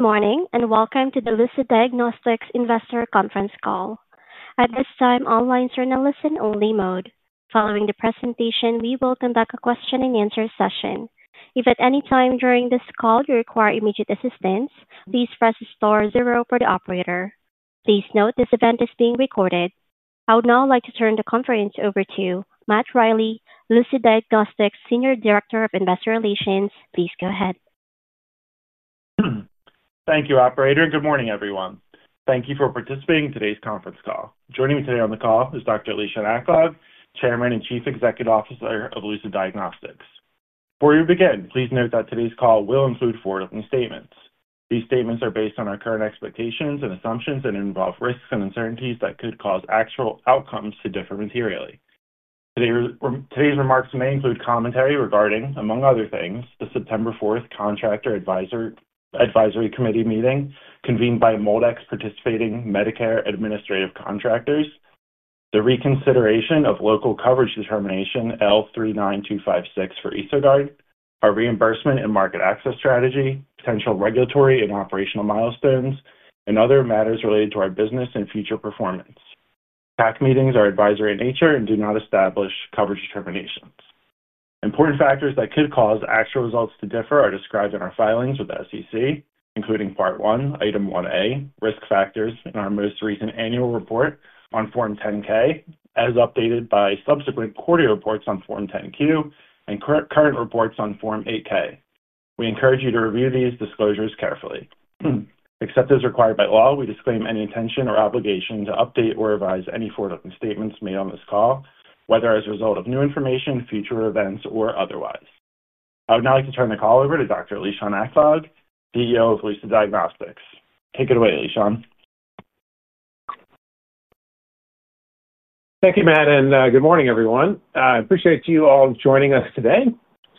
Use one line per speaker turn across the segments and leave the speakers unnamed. Morning and welcome to the Lucid Diagnostics Investor Conference Call. At this time, all lines are in a listen-only mode. Following the presentation, we will conduct a question and answer session. If at any time during this call you require immediate assistance, please press the star zero for the operator. Please note this event is being recorded. I would now like to turn the conference over to Matt Riley, Lucid Diagnostics Senior Director of Investor Relations. Please go ahead.
Thank you, Operator, and good morning, everyone. Thank you for participating in today's conference call. Joining me today on the call is Dr. Lishan Aklog, Chairman and Chief Executive Officer of Lucid Diagnostics. Before we begin, please note that today's call will include forward-looking statements. These statements are based on our current expectations and assumptions and involve risks and uncertainties that could cause actual outcomes to differ materially. Today's remarks may include commentary regarding, among other things, the September 4 Contractor Advisory Committee meeting convened by MolDX- participating Medicare Administrative Contractors, the reconsideration of Local Coverage Determination L39256 for EsoGuard, our reimbursement and market access strategy, potential regulatory and operational milestones, and other matters related to our business and future performance. CAC meetings are advisory in nature and do not establish coverage determinations. Important factors that could cause actual results to differ are described in our filings with the SEC, including Part 1, Item 1A, Risk Factors, and our most recent annual report on Form 10-K, as updated by subsequent quarterly reports on Form 10-Q, and current reports on Form 8-K. We encourage you to review these disclosures carefully. Except as required by law, we disclaim any intention or obligation to update or revise any forward-looking statements made on this call, whether as a result of new information, future events, or otherwise. I would now like to turn the call over to Dr. Lishan Aklog, CEO of Lucid Diagnostics. Take it away, Lishan.
Thank you, Matt, and good morning, everyone. I appreciate you all joining us today.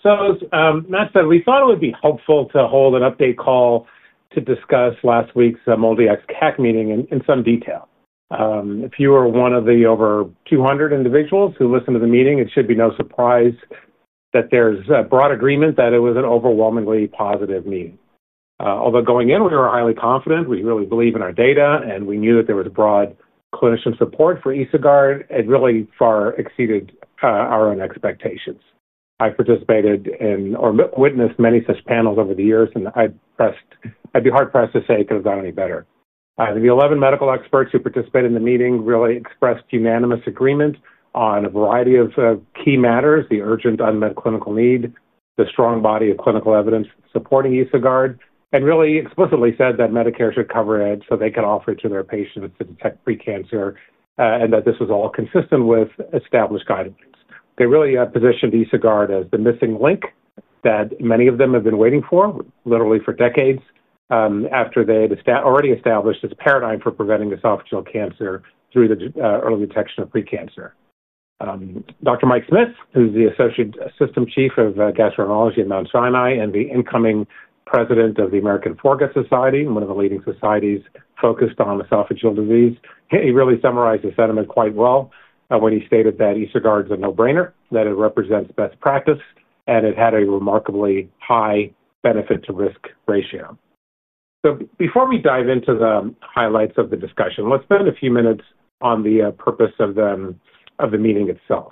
As Matt said, we thought it would be helpful to hold an update call to discuss last week's MolDX CAC meeting in some detail. If you are one of the over 200 individuals who listened to the meeting, it should be no surprise that there's broad agreement that it was an overwhelmingly positive meeting. Although going in, we were highly confident. We really believe in our data, and we knew that there was broad clinician support for EsoGuard. It really far exceeded our own expectations. I participated in or witnessed many such panels over the years, and I'd be hard pressed to say it could have gone any better. I think the 11 medical experts who participated in the meeting really expressed unanimous agreement on a variety of key matters: the urgent unmet clinical need, the strong body of clinical evidence supporting EsoGuard, and really explicitly said that Medicare should cover it so they can offer it to their patients to detect precancer, and that this was all consistent with established guidance. They really positioned EsoGuard as the missing link that many of them have been waiting for, literally for decades, after they had already established this paradigm for preventing esophageal cancer through the early detection of precancer. Dr. Mike Smith, who's the Associate Assistant Chief of Gastroenterology at Mount Sinai and the incoming President of the American Foregut Society, one of the leading societies focused on esophageal disease, really summarized his sentiment quite well when he stated that EsoGuard is a no-brainer, that it represents best practice, and it had a remarkably high benefit-to-risk ratio. Before we dive into the highlights of the discussion, let's spend a few minutes on the purpose of the meeting itself.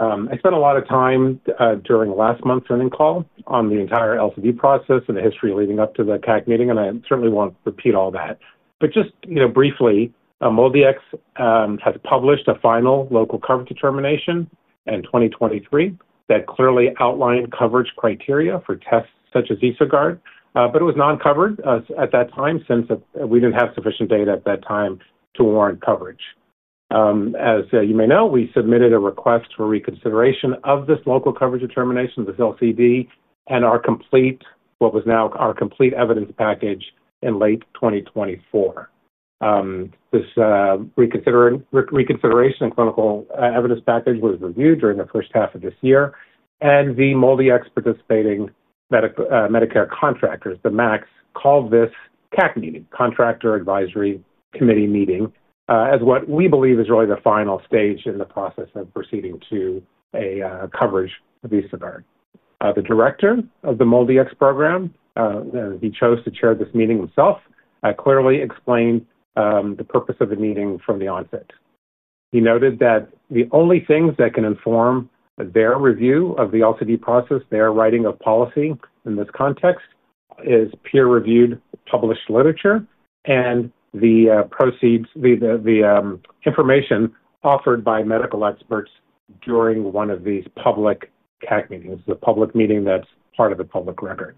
I spent a lot of time during last month's running call on the entire LCD process and the history leading up to the CAC meeting, and I certainly won't repeat all that. Just briefly, MolDX has published a final Local Coverage Determination in 2023 that clearly outlined coverage criteria for tests such as EsoGuard, but it was non-covered at that time since we didn't have sufficient data at that time to warrant coverage. As you may know, we submitted a request for reconsideration of this Local Coverage Determination, this LCD, and our complete, what was now our complete evidence package in late 2024. This reconsideration and clinical evidence package was reviewed during the first half of this year, and the MolDX participating Medicare contractors, the MACs, called this CAC meeting, Contractor Advisory Committee meeting, as what we believe is really the final stage in the process of proceeding to a coverage of EsoGuard. The Director of the MolDX program, he chose to chair this meeting himself, clearly explained the purpose of the meeting from the onset. He noted that the only things that can inform their review of the LCD process, their writing of policy in this context, is peer-reviewed published literature and the proceeds, the information offered by medical experts during one of these public CAC meetings, the public meeting that's part of the public record.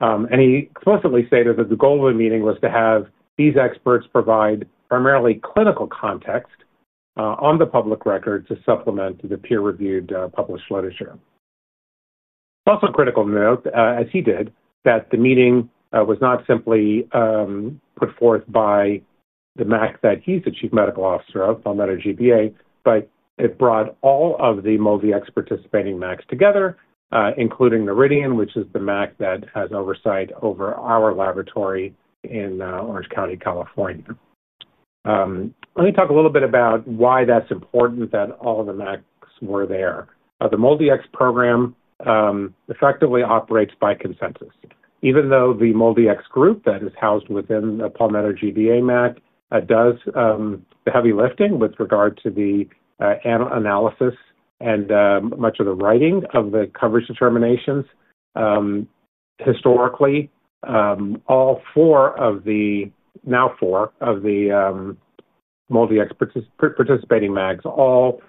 He explicitly stated that the goal of the meeting was to have these experts provide primarily clinical context on the public record to supplement the peer-reviewed published literature. It's also critical to note, as he did, that the meeting was not simply put forth by the MAC that he's the Chief Medical Officer of, Palmetto GBA, but it brought all of the MolDX participating MACs together, including Meridian, which is the MAC that has oversight over our laboratory in Orange County, California. Let me talk a little bit about why that's important that all the MACs were there. The MolDX program effectively operates by consensus. Even though the MolDX group that is housed within the Palmetto GBA MAC does the heavy lifting with regard to the analysis and much of the writing of the coverage determinations, historically, all four of the, now four of the MolDX participating MACs all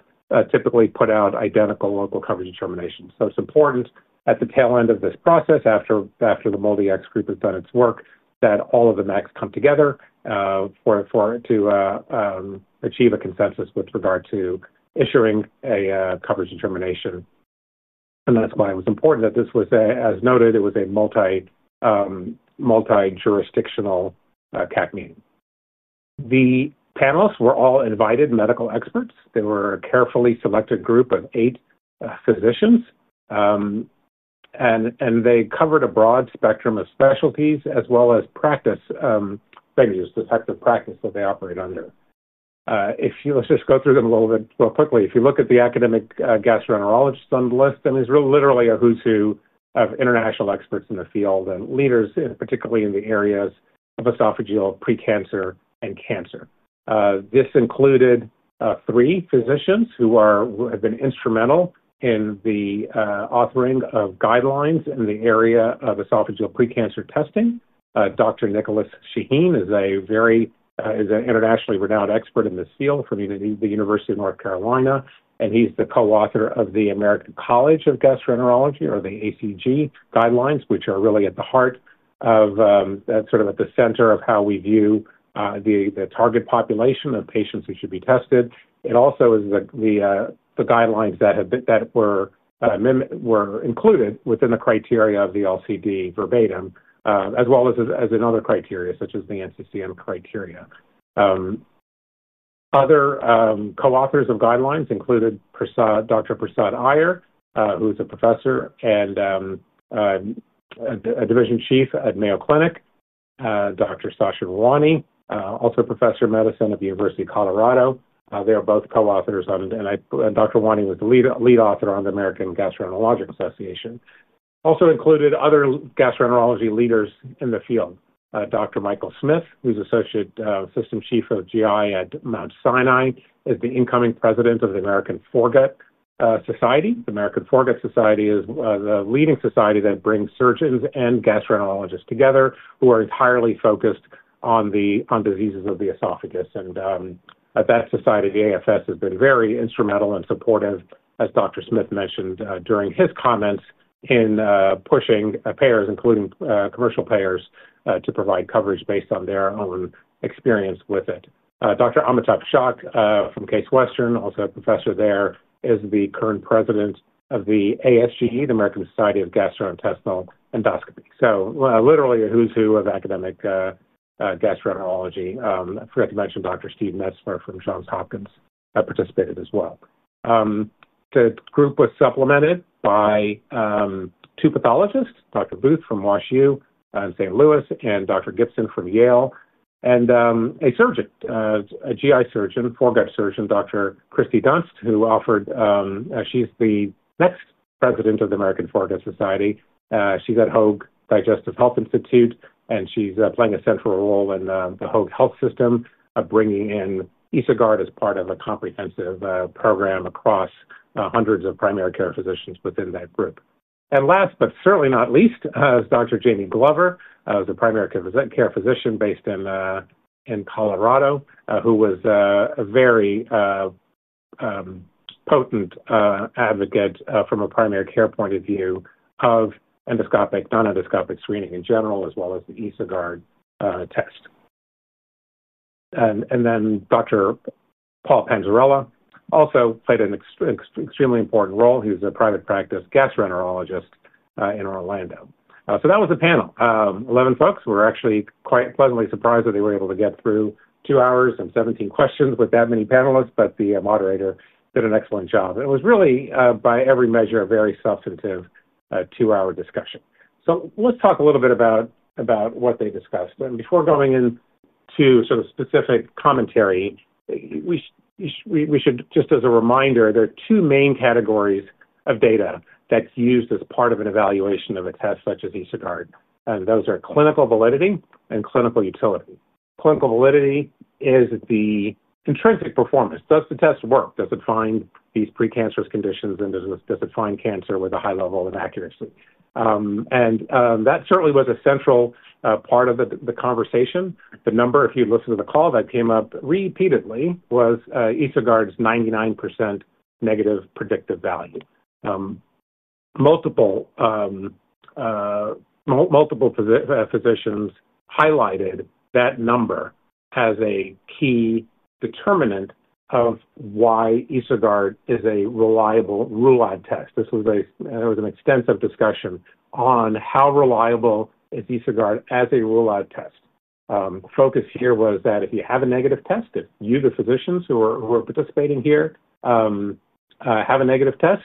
typically put out identical local coverage determinations. It's important at the tail end of this process, after the MolDX group has done its work, that all of the MACs come together to achieve a consensus with regard to issuing a coverage determination. That's why it was important that this was, as noted, it was a multi-jurisdictional CAC meeting. The panelists were all invited medical experts. They were a carefully selected group of eight physicians, and they covered a broad spectrum of specialties as well as practice venues, the type of practice that they operate under. If you let's just go through them a little bit real quickly. If you look at the academic gastroenterologists on the list, I mean, it's literally a who's who of international experts in the field and leaders, particularly in the areas of esophageal, precancer, and cancer. This included three physicians who have been instrumental in the authoring of guidelines in the area of esophageal precancer testing. Dr. Nicholas Shaheen is an internationally renowned expert in this field from the University of North Carolina, and he's the co-author of the American College of Gastroenterology, or the ACG guidelines, which are really at the heart of, sort of at the center of how we view the target population of patients who should be tested. It also is the guidelines that were included within the criteria of the LCD verbatim, as well as in other criteria such as the NCCN criteria. Other co-authors of guidelines included Dr. Prasad Iyer, who is a Professor and a Division Chief at Mayo Clinic, Dr. Shada Rouhani, also a Professor of Medicine at the University of Colorado. They are both co-authors on, and Dr. Rouhani was the lead author on the American Gastroenterological Association. Also included other gastroenterology leaders in the field. Dr. Michael Smith, who's Associate Assistant Chief of GI at Mount Sinai, is the incoming President of the American Foregut Society. The American Foregut Society is the leading society that brings surgeons and gastroenterologists together who are entirely focused on the diseases of the esophagus. That society, AFS, has been very instrumental and supportive, as Dr. Smith mentioned during his comments, in pushing payers, including commercial payers, to provide coverage based on their own experience with it. Dr. Amitabh Chak from Case Western, also a Professor there, is the current President of the ASGE, the American Society for Gastrointestinal Endoscopy. Literally a who's who of academic gastroenterology. I forgot to mention Dr. Steve Meltzer from Johns Hopkins participated as well. The group was supplemented by two pathologists, Dr. John Booth from Washington University in St. Louis and Dr. Elizabeth Gibson from Yale, and a surgeon, a GI surgeon, foregut surgeon, Dr. Christy Dunst, who offered, she's the next President of the American Foregut Society. She's at Hoag Digestive Health Institute, and she's playing a central role in the Hoag Health System of bringing in EsoGuard as part of a comprehensive program across hundreds of primary care physicians within that group. Last but certainly not least is Dr. Jamie Glover, the Primary Care Physician based in Colorado, who was a very potent advocate from a primary care point of view of endoscopic, non-endoscopic screening in general, as well as the EsoGuard test. Dr. Paul Panzarella also played an extremely important role. He was a private practice gastroenterologist in Orlando. That was the panel. 11 folks. We were actually quite pleasantly surprised that they were able to get through two hours and 17 questions with that many panelists, but the moderator did an excellent job. It was really, by every measure, a very substantive two-hour discussion. Let's talk a little bit about what they discussed. Before going into sort of specific commentary, we should, just as a reminder, there are two main categories of data that's used as part of an evaluation of a test such as EsoGuard. Those are clinical validity and clinical utility. Clinical validity is the intrinsic performance. Does the test work? Does it find these precancerous conditions, and does it find cancer with a high level of accuracy? That certainly was a central part of the conversation. The number, if you listen to the call, that came up repeatedly was EsoGuard's 99% negative predictive value. Multiple physicians highlighted that number as a key determinant of why EsoGuard is a reliable rule-out test. This was an extensive discussion on how reliable is EsoGuard as a rule-out test. The focus here was that if you have a negative test, if you, the physicians who are participating here, have a negative test,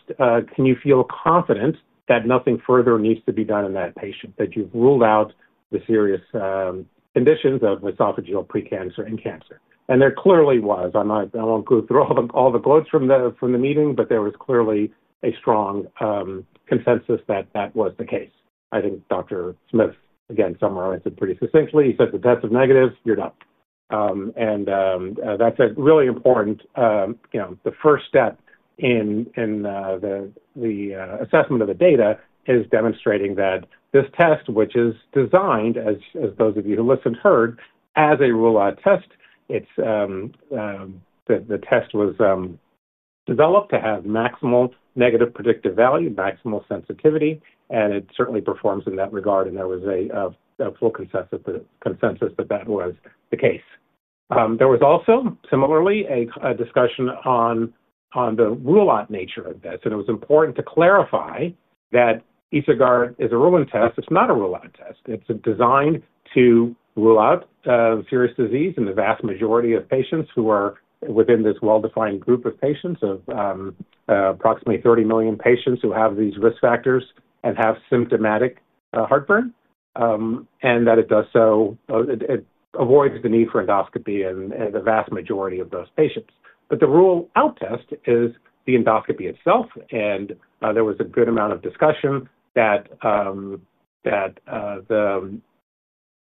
can you feel confident that nothing further needs to be done in that patient, that you've ruled out the serious conditions of esophageal precancer and cancer? There clearly was, I won't go through all the quotes from the meeting, but there was clearly a strong consensus that that was the case. I think Dr. Smith, again, summarized it pretty succinctly. He said the tests are negative, you're done. That's a really important, you know, the first step in the assessment of the data is demonstrating that this test, which is designed, as those of you who listened heard, as a rule-out test. The test was developed to have maximal negative predictive value, maximal sensitivity, and it certainly performs in that regard. There was a full consensus that that was the case. There was also, similarly, a discussion on the rule-out nature of this. It was important to clarify that EsoGuard is a rule-in test. It's not a rule-out test. It's designed to rule out serious disease in the vast majority of patients who are within this well-defined group of patients of approximately 30 million patients who have these risk factors and have symptomatic heartburn, and that it does so, it avoids the need for endoscopy in the vast majority of those patients. The rule-out test is the endoscopy itself. There was a good amount of discussion that the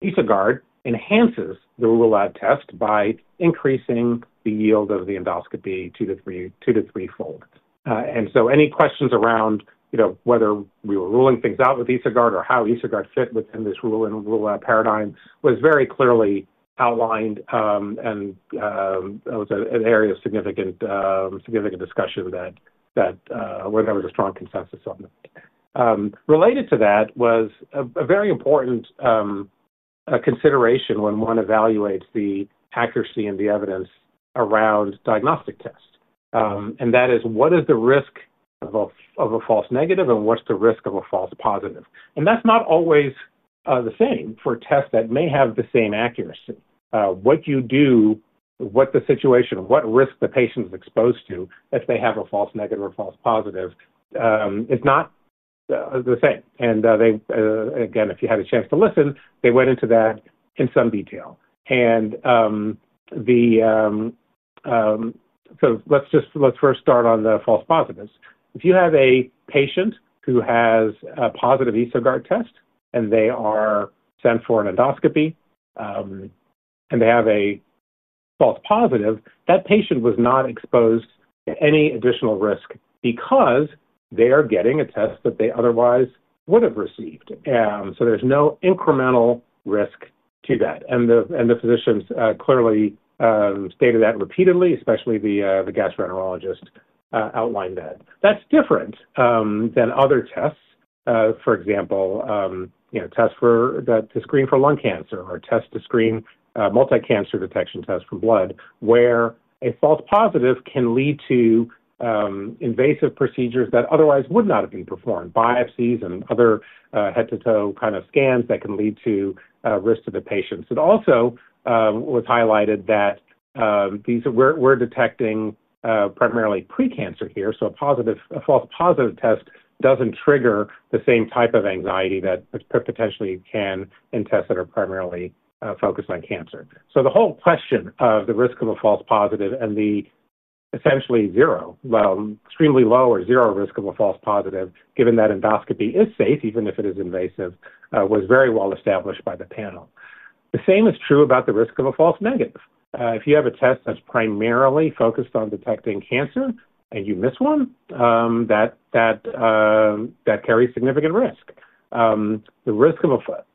EsoGuard enhances the rule-out test by increasing the yield of the endoscopy two to three-fold. Any questions around whether we were ruling things out with EsoGuard or how EsoGuard fit within this rule-in and rule-out paradigm was very clearly outlined, and it was an area of significant discussion that went over to strong consensus on that. Related to that was a very important consideration when one evaluates the accuracy and the evidence around diagnostic tests. That is, what is the risk of a false negative, and what's the risk of a false positive? That's not always the same for tests that may have the same accuracy. What you do, what the situation, what risk the patient is exposed to if they have a false negative or false positive is not the same. If you had a chance to listen, they went into that in some detail. Let's first start on the false positives. If you have a patient who has a positive EsoGuard test, and they are sent for an endoscopy, and they have a false positive, that patient was not exposed to any additional risk because they are getting a test that they otherwise would have received. There's no incremental risk to that. The physicians clearly stated that repeatedly, especially the gastroenterologists outlined that. That's different than other tests, for example, tests to screen for lung cancer or tests to screen multi-cancer detection tests for blood, where a false positive can lead to invasive procedures that otherwise would not have been performed, biopsies and other head-to-toe kind of scans that can lead to risk to the patients. It also was highlighted that here we are detecting primarily precancer. A false positive test doesn't trigger the same type of anxiety that potentially can in tests that are primarily focused on cancer. The whole question of the risk of a false positive and the essentially zero, well, extremely low or zero risk of a false positive, given that endoscopy is safe even if it is invasive, was very well established by the panel. The same is true about the risk of a false negative. If you have a test that's primarily focused on detecting cancer and you miss one, that carries significant risk,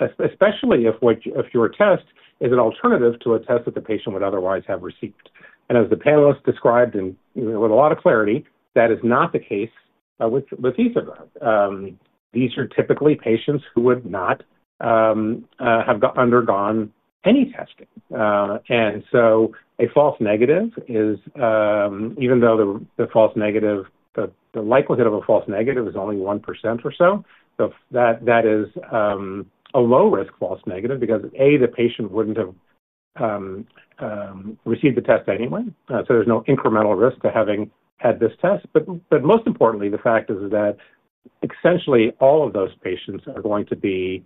especially if your test is an alternative to a test that the patient would otherwise have received. As the panelists described and with a lot of clarity, that is not the case with EsoGuard. These are typically patients who would not have undergone any testing, so a false negative is, even though the false negative, the likelihood of a false negative is only 1% or so. That is a low-risk false negative because, A, the patient wouldn't have received the test anyway, so there's no incremental risk to having had this test. Most importantly, the fact is that essentially all of those patients are going to be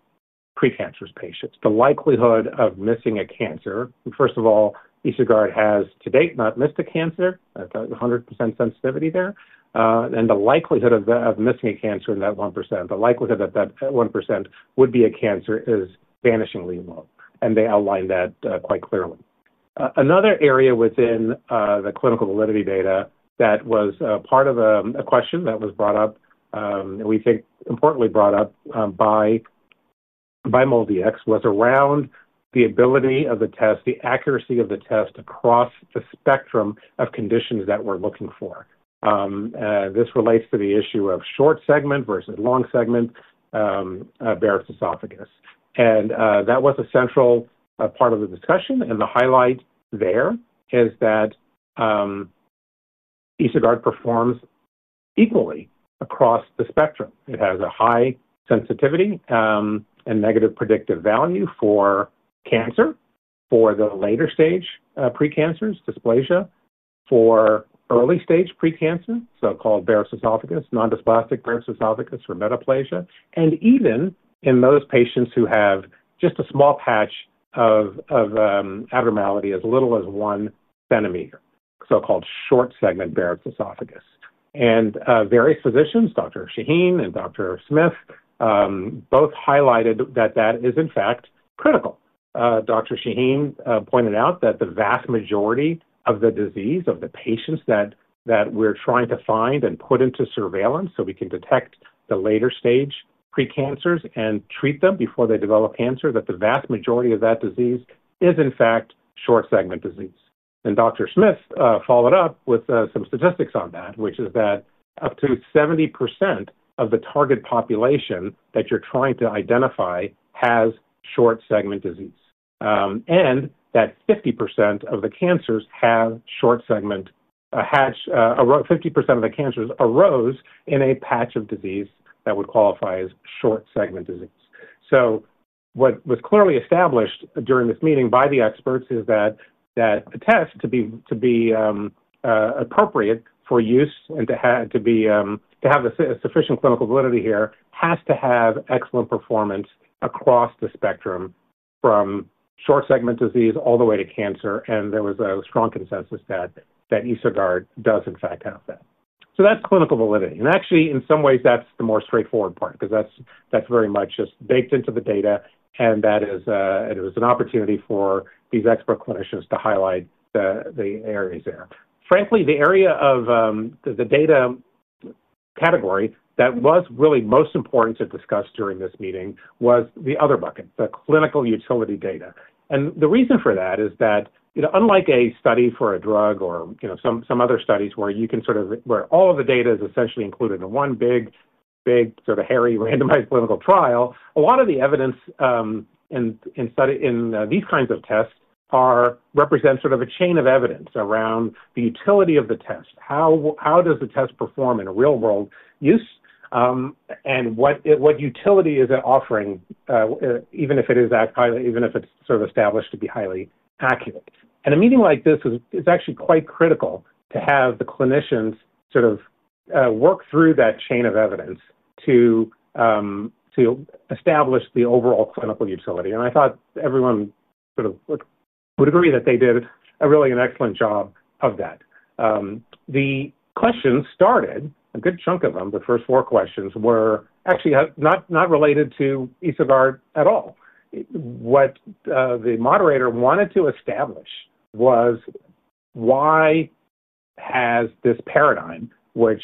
precancerous patients. The likelihood of missing a cancer, first of all, EsoGuard has to date not missed a cancer, a 100% sensitivity there. The likelihood of missing a cancer in that 1%, the likelihood that that 1% would be a cancer is vanishingly low, and they outlined that quite clearly. Another area within the clinical validity data that was part of a question that was brought up, and we think importantly brought up by MolDX, was around the ability of the test, the accuracy of the test across the spectrum of conditions that we're looking for. This relates to the issue of short segment versus long segment Barrett’s esophagus, and that was a central part of the discussion. The highlight there is that EsoGuard performs equally across the spectrum. It has a high sensitivity and negative predictive value for cancer, for the later stage precancers, dysplasia, for early stage precancer, so-called Barrett’s esophagus, nondysplastic Barrett’s esophagus or metaplasia, and even in those patients who have just a small patch of abnormality, as little as one centimeter, so-called short-segment Barrett’s esophagus. Various physicians, Dr. Shaheen and Dr. Smith, both highlighted that that is in fact critical. Shaheen pointed out that the vast majority of the disease of the patients that we're trying to find and put into surveillance so we can detect the later stage precancers and treat them before they develop cancer, that the vast majority of that disease is in fact short-segment disease. Dr. Smith followed up with some statistics on that, which is that up to 70% of the target population that you're trying to identify has short-segment disease, and that 50% of the cancers have short-segment patch, 50% of the cancers arose in a patch of disease that would qualify as short-segment disease. What was clearly established during this meeting by the experts is that a test to be appropriate for use and to have sufficient clinical validity here has to have excellent performance across the spectrum from short-segment disease all the way to cancer. There was a strong consensus that EsoGuard does in fact have that. That's clinical validity. Actually, in some ways, that's the more straightforward part because that's very much just baked into the data. That is, it was an opportunity for these expert clinicians to highlight the areas there. Frankly, the area of the data category that was really most important to discuss during this meeting was the other bucket, the clinical utility data. The reason for that is that, unlike a study for a drug or some other studies where all of the data is essentially included in one big, big sort of hairy randomized clinical trial, a lot of the evidence in these kinds of tests represents sort of a chain of evidence around the utility of the test. How does the test perform in a real-world use? What utility is it offering, even if it is that highly, even if it's sort of established to be highly accurate? In a meeting like this, it's actually quite critical to have the clinicians sort of work through that chain of evidence to establish the overall clinical utility. I thought everyone would agree that they did really an excellent job of that. The questions started, a good chunk of them, the first four questions were actually not related to EsoGuard at all. What the moderator wanted to establish was why has this paradigm, which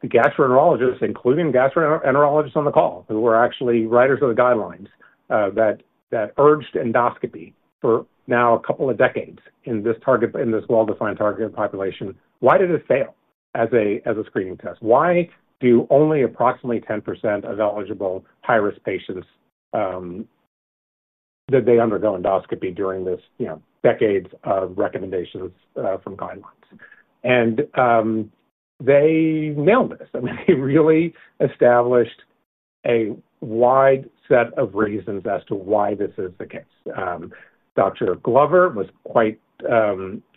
the gastroenterologists, including gastroenterologists on the call, who were actually writers of the guidelines that urged endoscopy for now a couple of decades in this target, in this well-defined target population, why did it fail as a screening test? Why do only approximately 10% of eligible high-risk patients, did they undergo endoscopy during this, you know, decades of recommendations from guidelines? They nailed this. They really established a wide set of reasons as to why this is the case. Dr. Glover was quite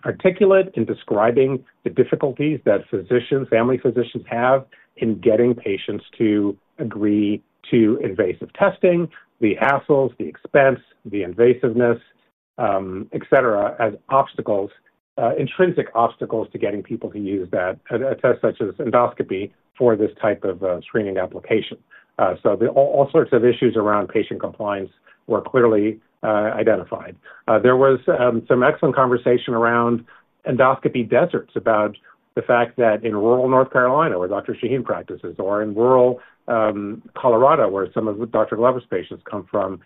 articulate in describing the difficulties that physicians, family physicians have in getting patients to agree to invasive testing, the hassles, the expense, the invasiveness, et cetera, as obstacles, intrinsic obstacles to getting people to use that such as endoscopy for this type of screening application. All sorts of issues around patient compliance were clearly identified. There was some excellent conversation around endoscopy deserts about the fact that in rural North Carolina, where Dr. Shaheen practices, or in rural Colorado, where some of Dr. Glover's patients come from,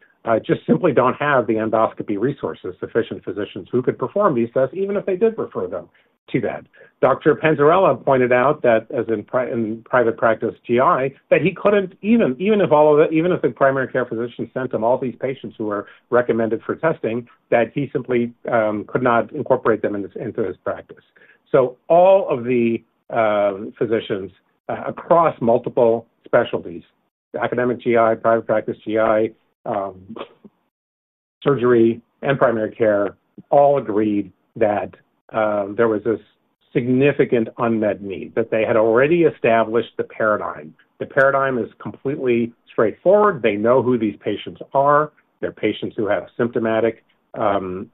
just simply do not have the endoscopy resources, sufficient physicians who could perform these tests, even if they did refer them to that. Dr. Panzarella pointed out that as in private practice GI, that he could not even, even if all of the, even if the primary care physician sent him all these patients who were recommended for testing, that he simply could not incorporate them into his practice. All of the physicians across multiple specialties, academic GI, private practice GI, surgery, and primary care all agreed that there was this significant unmet need, that they had already established the paradigm. The paradigm is completely straightforward. They know who these patients are. They are patients who have symptomatic heartburn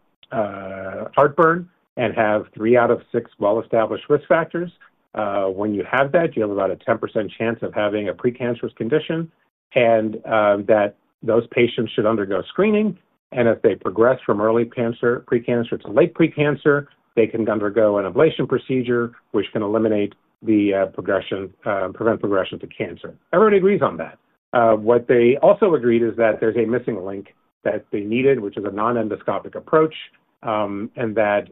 and have three out of six well-established risk factors. When you have that, you have about a 10% chance of having a precancerous condition and that those patients should undergo screening. If they progress from early cancer, precancer to late precancer, they can undergo an ablation procedure, which can eliminate the progression, prevent progression to cancer. Everybody agrees on that. What they also agreed is that there's a missing link that they needed, which is a non-endoscopic approach, and that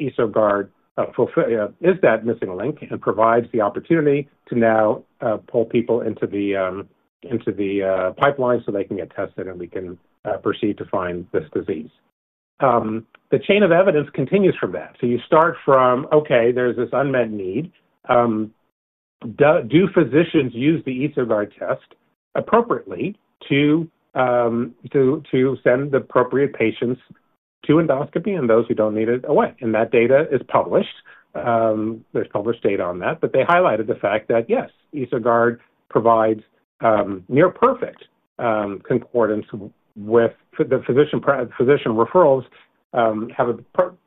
EsoGuard is that missing link and provides the opportunity to now pull people into the pipeline so they can get tested and we can proceed to find this disease. The chain of evidence continues from that. You start from, okay, there's this unmet need. Do physicians use the EsoGuard test appropriately to send the appropriate patients to endoscopy and those who don't need it away? That data is published. There's published data on that. They highlighted the fact that yes, EsoGuard provides near perfect concordance with the physician referrals, have a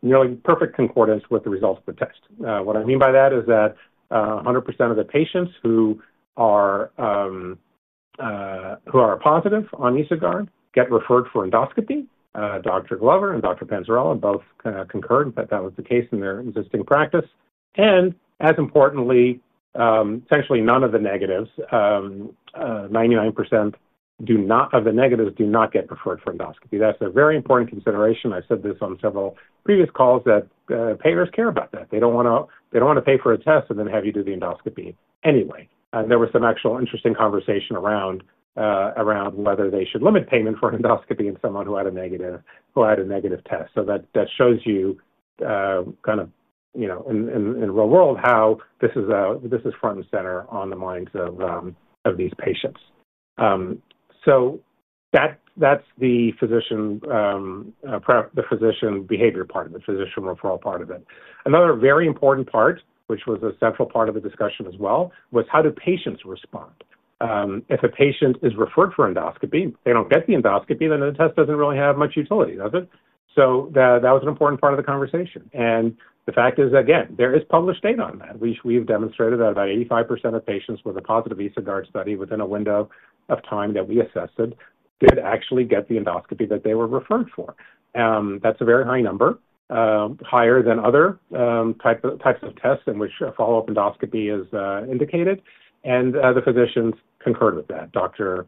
nearly perfect concordance with the results of the test. What I mean by that is that 100% of the patients who are positive on EsoGuard get referred for endoscopy. Dr. Glover and Dr. Panzarella both concurred that that was the case in their existing practice. As importantly, essentially none of the negatives, 99% do not, of the negatives do not get referred for endoscopy. That's a very important consideration. I said this on several previous calls that payers care about that. They don't want to pay for a test and then have you do the endoscopy anyway. There was some actual interesting conversation around whether they should limit payment for endoscopy in someone who had a negative test. That shows you kind of, you know, in the real world how this is front and center on the minds of these patients. That's the physician behavior part of it, physician referral part of it. Another very important part, which was a central part of the discussion as well, was how do patients respond? If a patient is referred for endoscopy, they don't get the endoscopy, then the test doesn't really have much utility, does it? That was an important part of the conversation. The fact is, again, there is published data on that. We've demonstrated that about 85% of patients with a positive EsoGuard study within a window of time that we assessed it did actually get the endoscopy that they were referred for. That's a very high number, higher than other types of tests in which a follow-up endoscopy is indicated. The physicians concurred with that. Dr.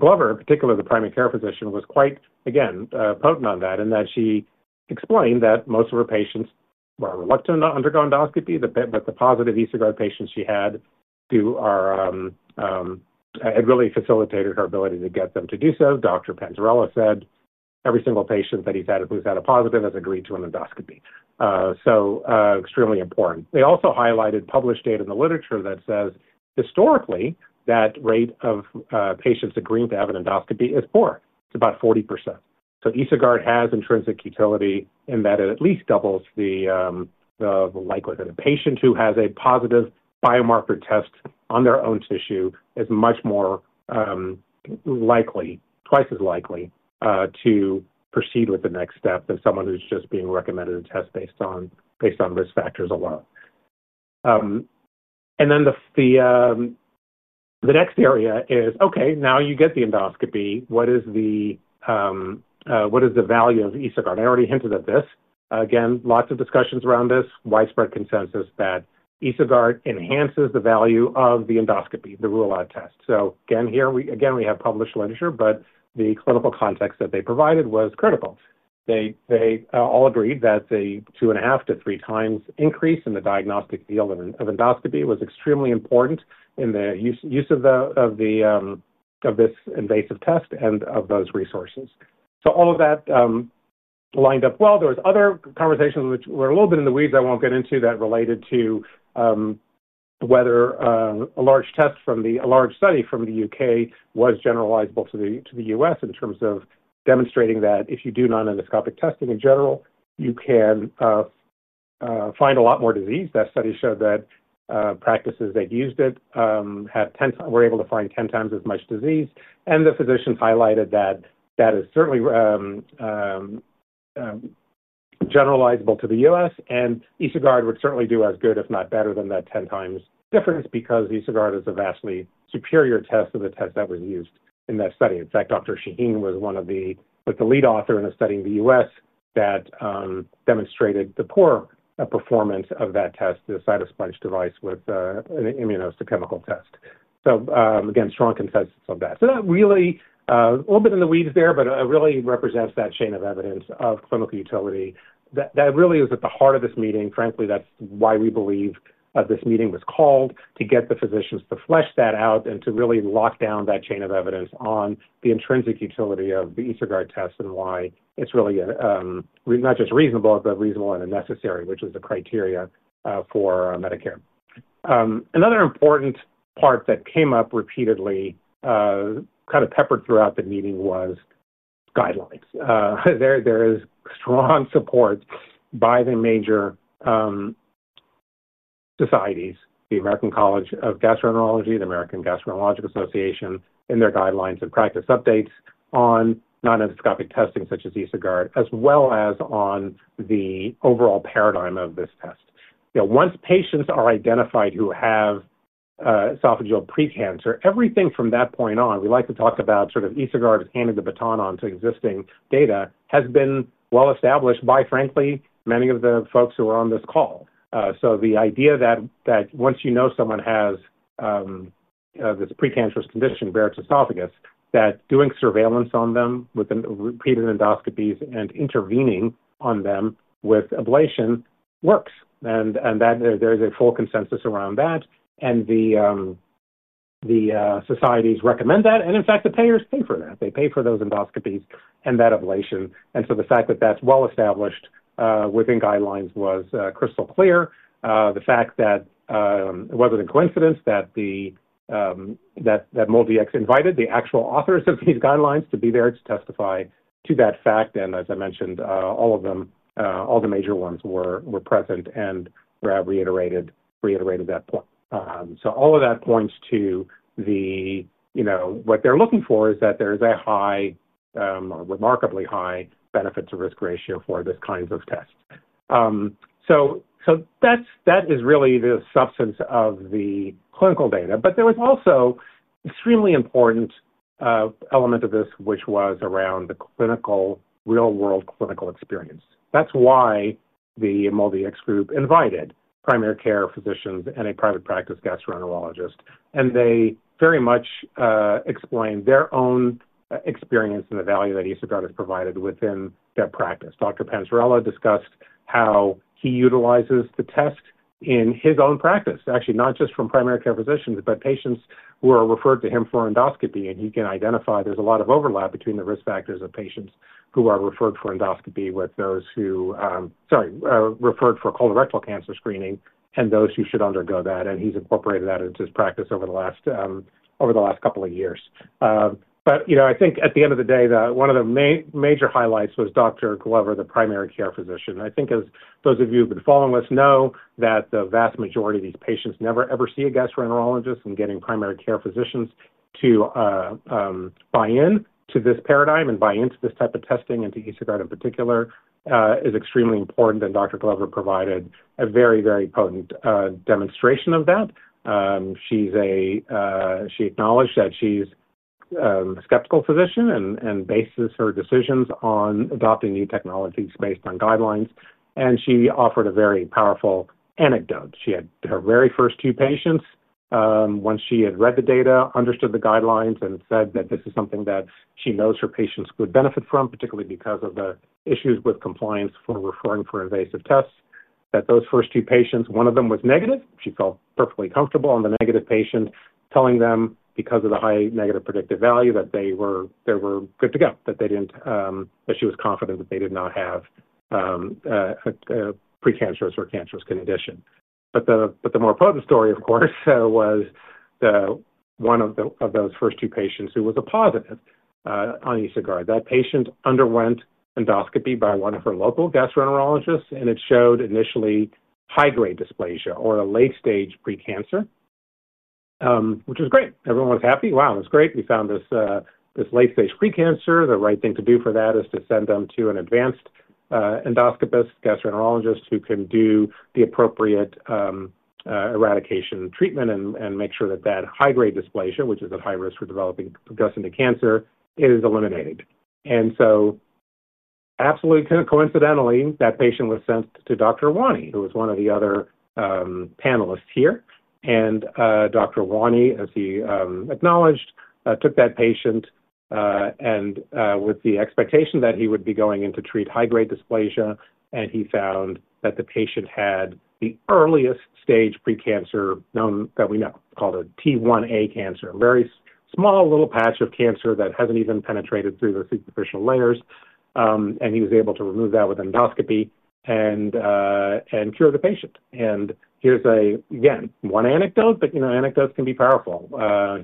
Glover, in particular, the primary care physician, was quite, again, potent on that in that she explained that most of her patients were reluctant to undergo endoscopy, but the positive EsoGuard patients she had had really facilitated her ability to get them to do so. Dr. Panzarella said every single patient that he's had who's had a positive has agreed to an endoscopy. Extremely important. They also highlighted published data in the literature that says historically that rate of patients agreeing to have an endoscopy is poor. It's about 40%. EsoGuard has intrinsic utility in that it at least doubles the likelihood. A patient who has a positive biomarker test on their own tissue is much more likely, twice as likely, to proceed with the next step than someone who's just being recommended a test based on risk factors alone. The next area is, okay, now you get the endoscopy. What is the value of EsoGuard? I already hinted at this. Again, lots of discussions around this, widespread consensus that EsoGuard enhances the value of the endoscopy, the rule-out test. Here we have published literature, but the clinical context that they provided was critical. They all agreed that the two and a half to three times increase in the diagnostic yield of endoscopy was extremely important in the use of this invasive test and of those resources. All of that lined up well. There were other conversations which were a little bit in the weeds I won't get into that related to whether a large study from the U.K. was generalizable to the U.S. in terms of demonstrating that if you do non-endoscopic testing in general, you can find a lot more disease. That study showed that practices that used it were able to find 10x as much disease. The physicians highlighted that that is certainly generalizable to the U.S., and EsoGuard would certainly do as good, if not better, than that 10x difference because EsoGuard is a vastly superior test to the test that was used in that study. In fact, Dr. Shaheen was one of the lead authors in a study in the U.S. that demonstrated the poor performance of that test, the Cytosponge device with an immunohistochemical test. Strong consensus on that. That really, a little bit in the weeds there, but it really represents that chain of evidence of clinical utility. That really is at the heart of this meeting. Frankly, that's why we believe this meeting was called, to get the physicians to flesh that out and to really lock down that chain of evidence on the intrinsic utility of the EsoGuard test and why it's really not just reasonable, but reasonable and necessary, which is the criteria for Medicare. Another important part that came up repeatedly, kind of peppered throughout the meeting, was guidelines. There is strong support by the major societies, the American College of Gastroenterology, the American Gastroenterological Association, in their guidelines and practice updates on non-endoscopic testing such as EsoGuard, as well as on the overall paradigm of this test. Once patients are identified who have esophageal precancer, everything from that point on, we like to talk about sort of EsoGuard's handing the baton onto existing data, has been well established by, frankly, many of the folks who are on this call. The idea that once you know someone has this precancerous condition, Barrett’s esophagus, that doing surveillance on them with repeated endoscopies and intervening on them with ablation works. There is a full consensus around that. The societies recommend that. In fact, the payers pay for that. They pay for those endoscopies and that ablation. The fact that that's well established within guidelines was crystal clear. It wasn't a coincidence that MolDX invited the actual authors of these guidelines to be there to testify to that fact. As I mentioned, all of them, all the major ones were present and reiterated that point. All of that points to the, you know, what they're looking for is that there is a high, remarkably high benefits-to-risk ratio for this kind of test. That is really the substance of the clinical data. There was also an extremely important element of this, which was around the clinical, real-world clinical experience. That's why the MolDX group invited primary care physicians and a private practice gastroenterologist. They very much explained their own experience and the value that EsoGuard has provided within their practice. Dr. Panzarella discussed how he utilizes the test in his own practice. Actually, not just from primary care physicians, but patients who are referred to him for endoscopy. You can identify there's a lot of overlap between the risk factors of patients who are referred for endoscopy with those who are referred for colorectal cancer screening and those who should undergo that. He's incorporated that into his practice over the last couple of years. I think at the end of the day, one of the major highlights was Dr. Glover, the Primary Care Physician. I think as those of you who've been following us know, the vast majority of these patients never ever see a gastroenterologist, and getting Primary Care Physicians to buy into this paradigm and buy into this type of testing and to EsoGuard in particular is extremely important. Dr. Glover provided a very, very potent demonstration of that. She acknowledged that she's a skeptical physician and bases her decisions on adopting new technologies based on guidelines. She offered a very powerful anecdote. She had her very first two patients. Once she had read the data, understood the guidelines, and said that this is something that she knows her patients would benefit from, particularly because of the issues with compliance for referring for invasive tests, those first two patients, one of them was negative. She felt perfectly comfortable on the negative patient telling them because of the high negative predictive value that they were good to go, that she was confident that they did not have a precancerous or cancerous condition. The more potent story, of course, was one of those first two patients who was a positive on EsoGuard. That patient underwent endoscopy by one of her local gastroenterologists, and it showed initially high-grade dysplasia or a late-stage precancer, which was great. Everyone was happy. Wow, that's great. We found this late-stage precancer. The right thing to do for that is to send them to an advanced endoscopist, gastroenterologist who can do the appropriate eradication treatment and make sure that high-grade dysplasia, which is at high risk for developing to cancer, is eliminated. Absolutely coincidentally, that patient was sent to Dr. Rouhani, who was one of the other panelists here. Dr. Rouhani, as he acknowledged, took that patient with the expectation that he would be going in to treat high-grade dysplasia, and he found that the patient had the earliest stage precancer known that we now call the T1A cancer, a very small little patch of cancer that hasn't even penetrated through the superficial layers. He was able to remove that with endoscopy and cure the patient. Here's, again, one anecdote, but anecdotes can be powerful.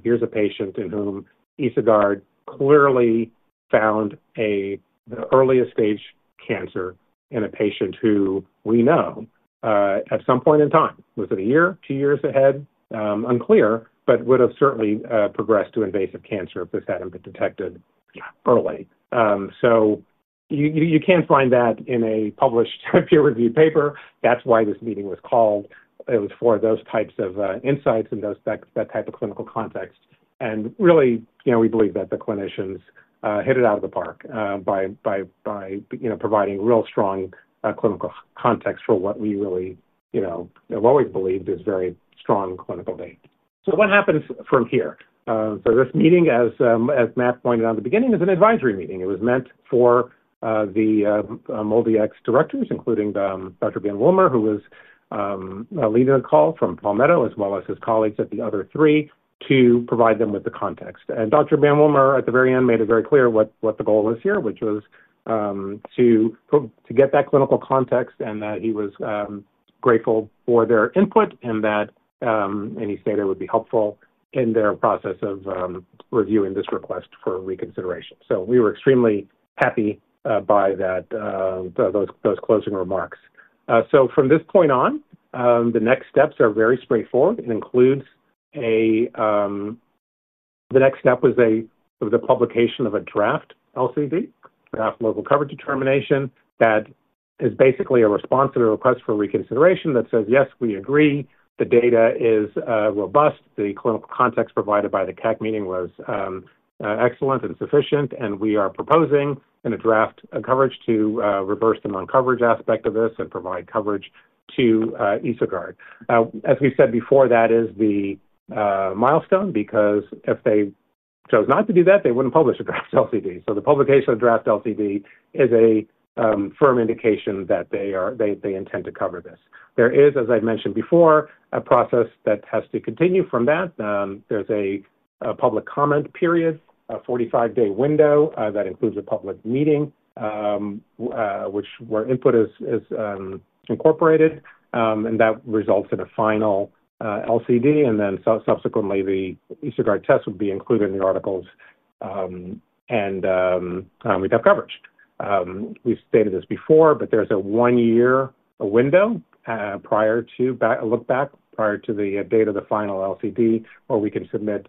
Here's a patient in whom EsoGuard clearly found the earliest stage cancer in a patient who we know at some point in time—was it a year, two years ahead? Unclear, but would have certainly progressed to invasive cancer if this hadn't been detected early. You can't find that in a published peer-reviewed paper. That is why this meeting was called. It was for those types of insights and that type of clinical context. We believe that the clinicians hit it out of the park by providing real strong clinical context for what we really have always believed is very strong clinical data. What happens from here? This meeting, as Matt pointed out in the beginning, is an advisory meeting. It was meant for the MolDX directors, including Dr. Ben Wilmer, who was leading the call from Palmetto, as well as his colleagues at the other three, to provide them with the context. Dr. Ben Wilmer, at the very end, made it very clear what the goal was here, which was to get that clinical context and that he was grateful for their input and that he stated it would be helpful in their process of reviewing this request for reconsideration. We were extremely happy by those closing remarks. From this point on, the next steps are very straightforward. The next step was the publication of a draft LCD, draft Local Coverage Determination, that is basically a response to the request for reconsideration that says, yes, we agree. The data is robust. The clinical context provided by the CAC meeting was excellent and sufficient. We are proposing in a draft coverage to reverse the non-coverage aspect of this and provide coverage to EsoGuard. As we said before, that is the milestone because if they chose not to do that, they wouldn't publish a draft LCD. The publication of draft LCD is a firm indication that they intend to cover this. There is, as I mentioned before, a process that has to continue from that. There's a public comment period, a 45-day window that includes a public meeting where input is incorporated. That results in a final LCD. Subsequently, the EsoGuard test would be included in the articles and we'd have coverage. We stated this before, but there's a one-year window prior to a look back, prior to the date of the final LCD, where we can submit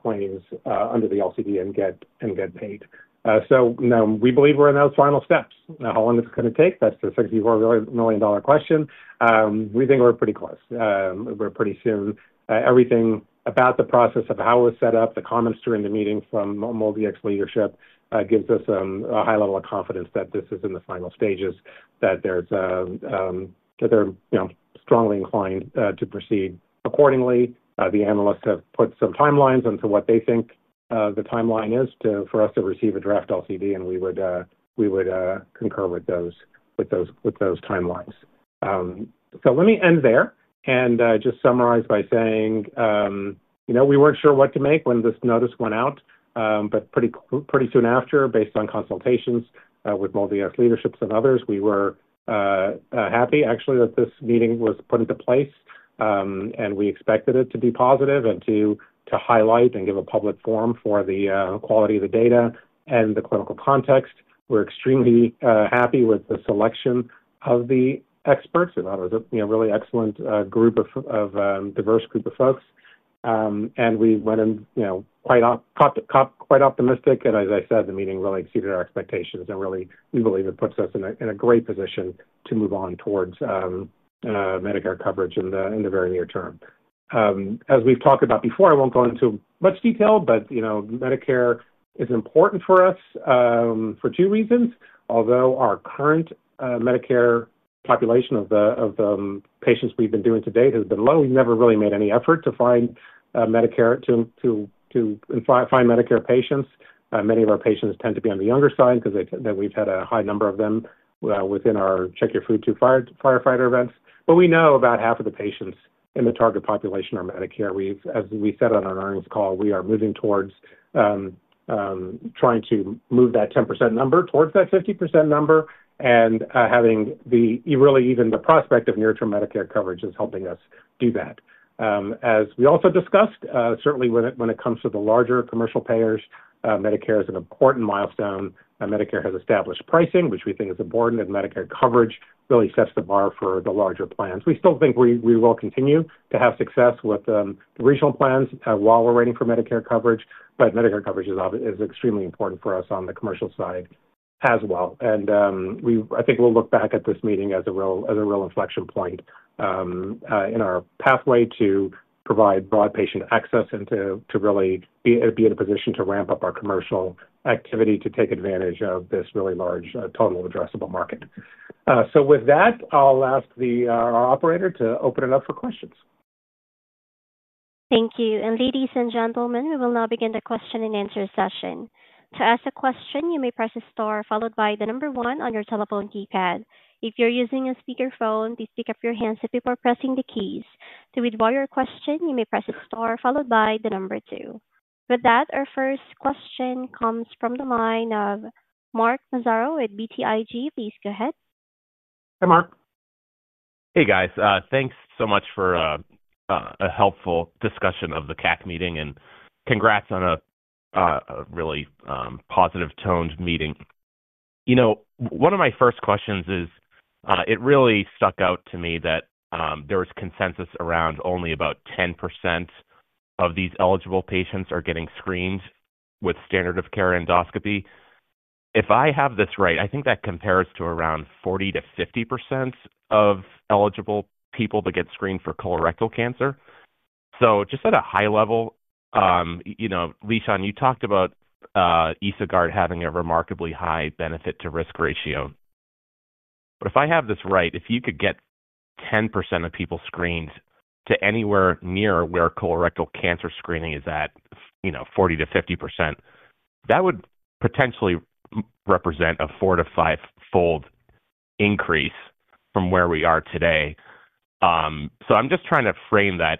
claims under the LCD and get paid. We believe we're in those final steps. Now, how long is it going to take? That's the $64 million question. We think we're pretty close. We're pretty soon. Everything about the process of how it was set up, the comments during the meeting from MolDX leadership gives us a high level of confidence that this is in the final stages, that they're strongly inclined to proceed accordingly. The analysts have put some timelines onto what they think the timeline is for us to receive a draft LCD, and we would concur with those timelines. Let me end there and just summarize by saying, you know, we weren't sure what to make when this notice went out, but pretty soon after, based on consultations with MolDX leadership and others, we were happy, actually, that this meeting was put into place. We expected it to be positive and to highlight and give a public forum for the quality of the data and the clinical context. We're extremely happy with the selection of the experts. They're a really excellent group, a diverse group of folks. We went in, you know, quite optimistic. As I said, the meeting really exceeded our expectations. We believe it puts us in a great position to move on towards Medicare coverage in the very near term. As we've talked about before, I won't go into much detail, but you know, Medicare is important for us for two reasons. Although our current Medicare population of the patients we've been doing to date has been low, we've never really made any effort to find Medicare patients. Many of our patients tend to be on the younger side because we've had a high number of them within our Check Your Food to Firefighter events. We know about half of the patients in the target population are Medicare. As we said on our earnings call, we are moving towards trying to move that 10% number towards that 50% number. Having really even the prospect of near-term Medicare coverage is helping us do that. As we also discussed, certainly when it comes to the larger commercial payers, Medicare is an important milestone. Medicare has established pricing, which we think is important, and Medicare coverage really sets the bar for the larger plans. We still think we will continue to have success with regional plans while we're waiting for Medicare coverage. Medicare coverage is extremely important for us on the commercial side as well. I think we'll look back at this meeting as a real inflection point in our pathway to provide broad patient access and to really be in a position to ramp up our commercial activity to take advantage of this really large total addressable market. With that, I'll ask our operator to open it up for questions.
Thank you. Ladies and gentlemen, we will now begin the question and answer session. To ask a question, you may press star followed by the number one on your telephone keypad. If you're using a speakerphone, please pick up your handset before pressing the keys. To withdraw your question, you may press star followed by the number two. With that, our first question comes from the line of Mark Massaro at BTIG. Please go ahead.
Hey, Mark.
Hey, guys. Thanks so much for a helpful discussion of the CAC meeting and congrats on a really positive-toned meeting. One of my first questions is, it really stuck out to me that there was consensus around only about 10% of these eligible patients are getting screened with standard of care endoscopy. If I have this right, I think that compares to around 40%- 50% of eligible people that get screened for colorectal cancer. Just at a high level, Lishan, you talked about EsoGuard having a remarkably high benefit-to-risk ratio. If I have this right, if you could get 10% of people screened to anywhere near where colorectal cancer screening is at, 40%- 50%, that would potentially represent a four to five-fold increase from where we are today. I'm just trying to frame that.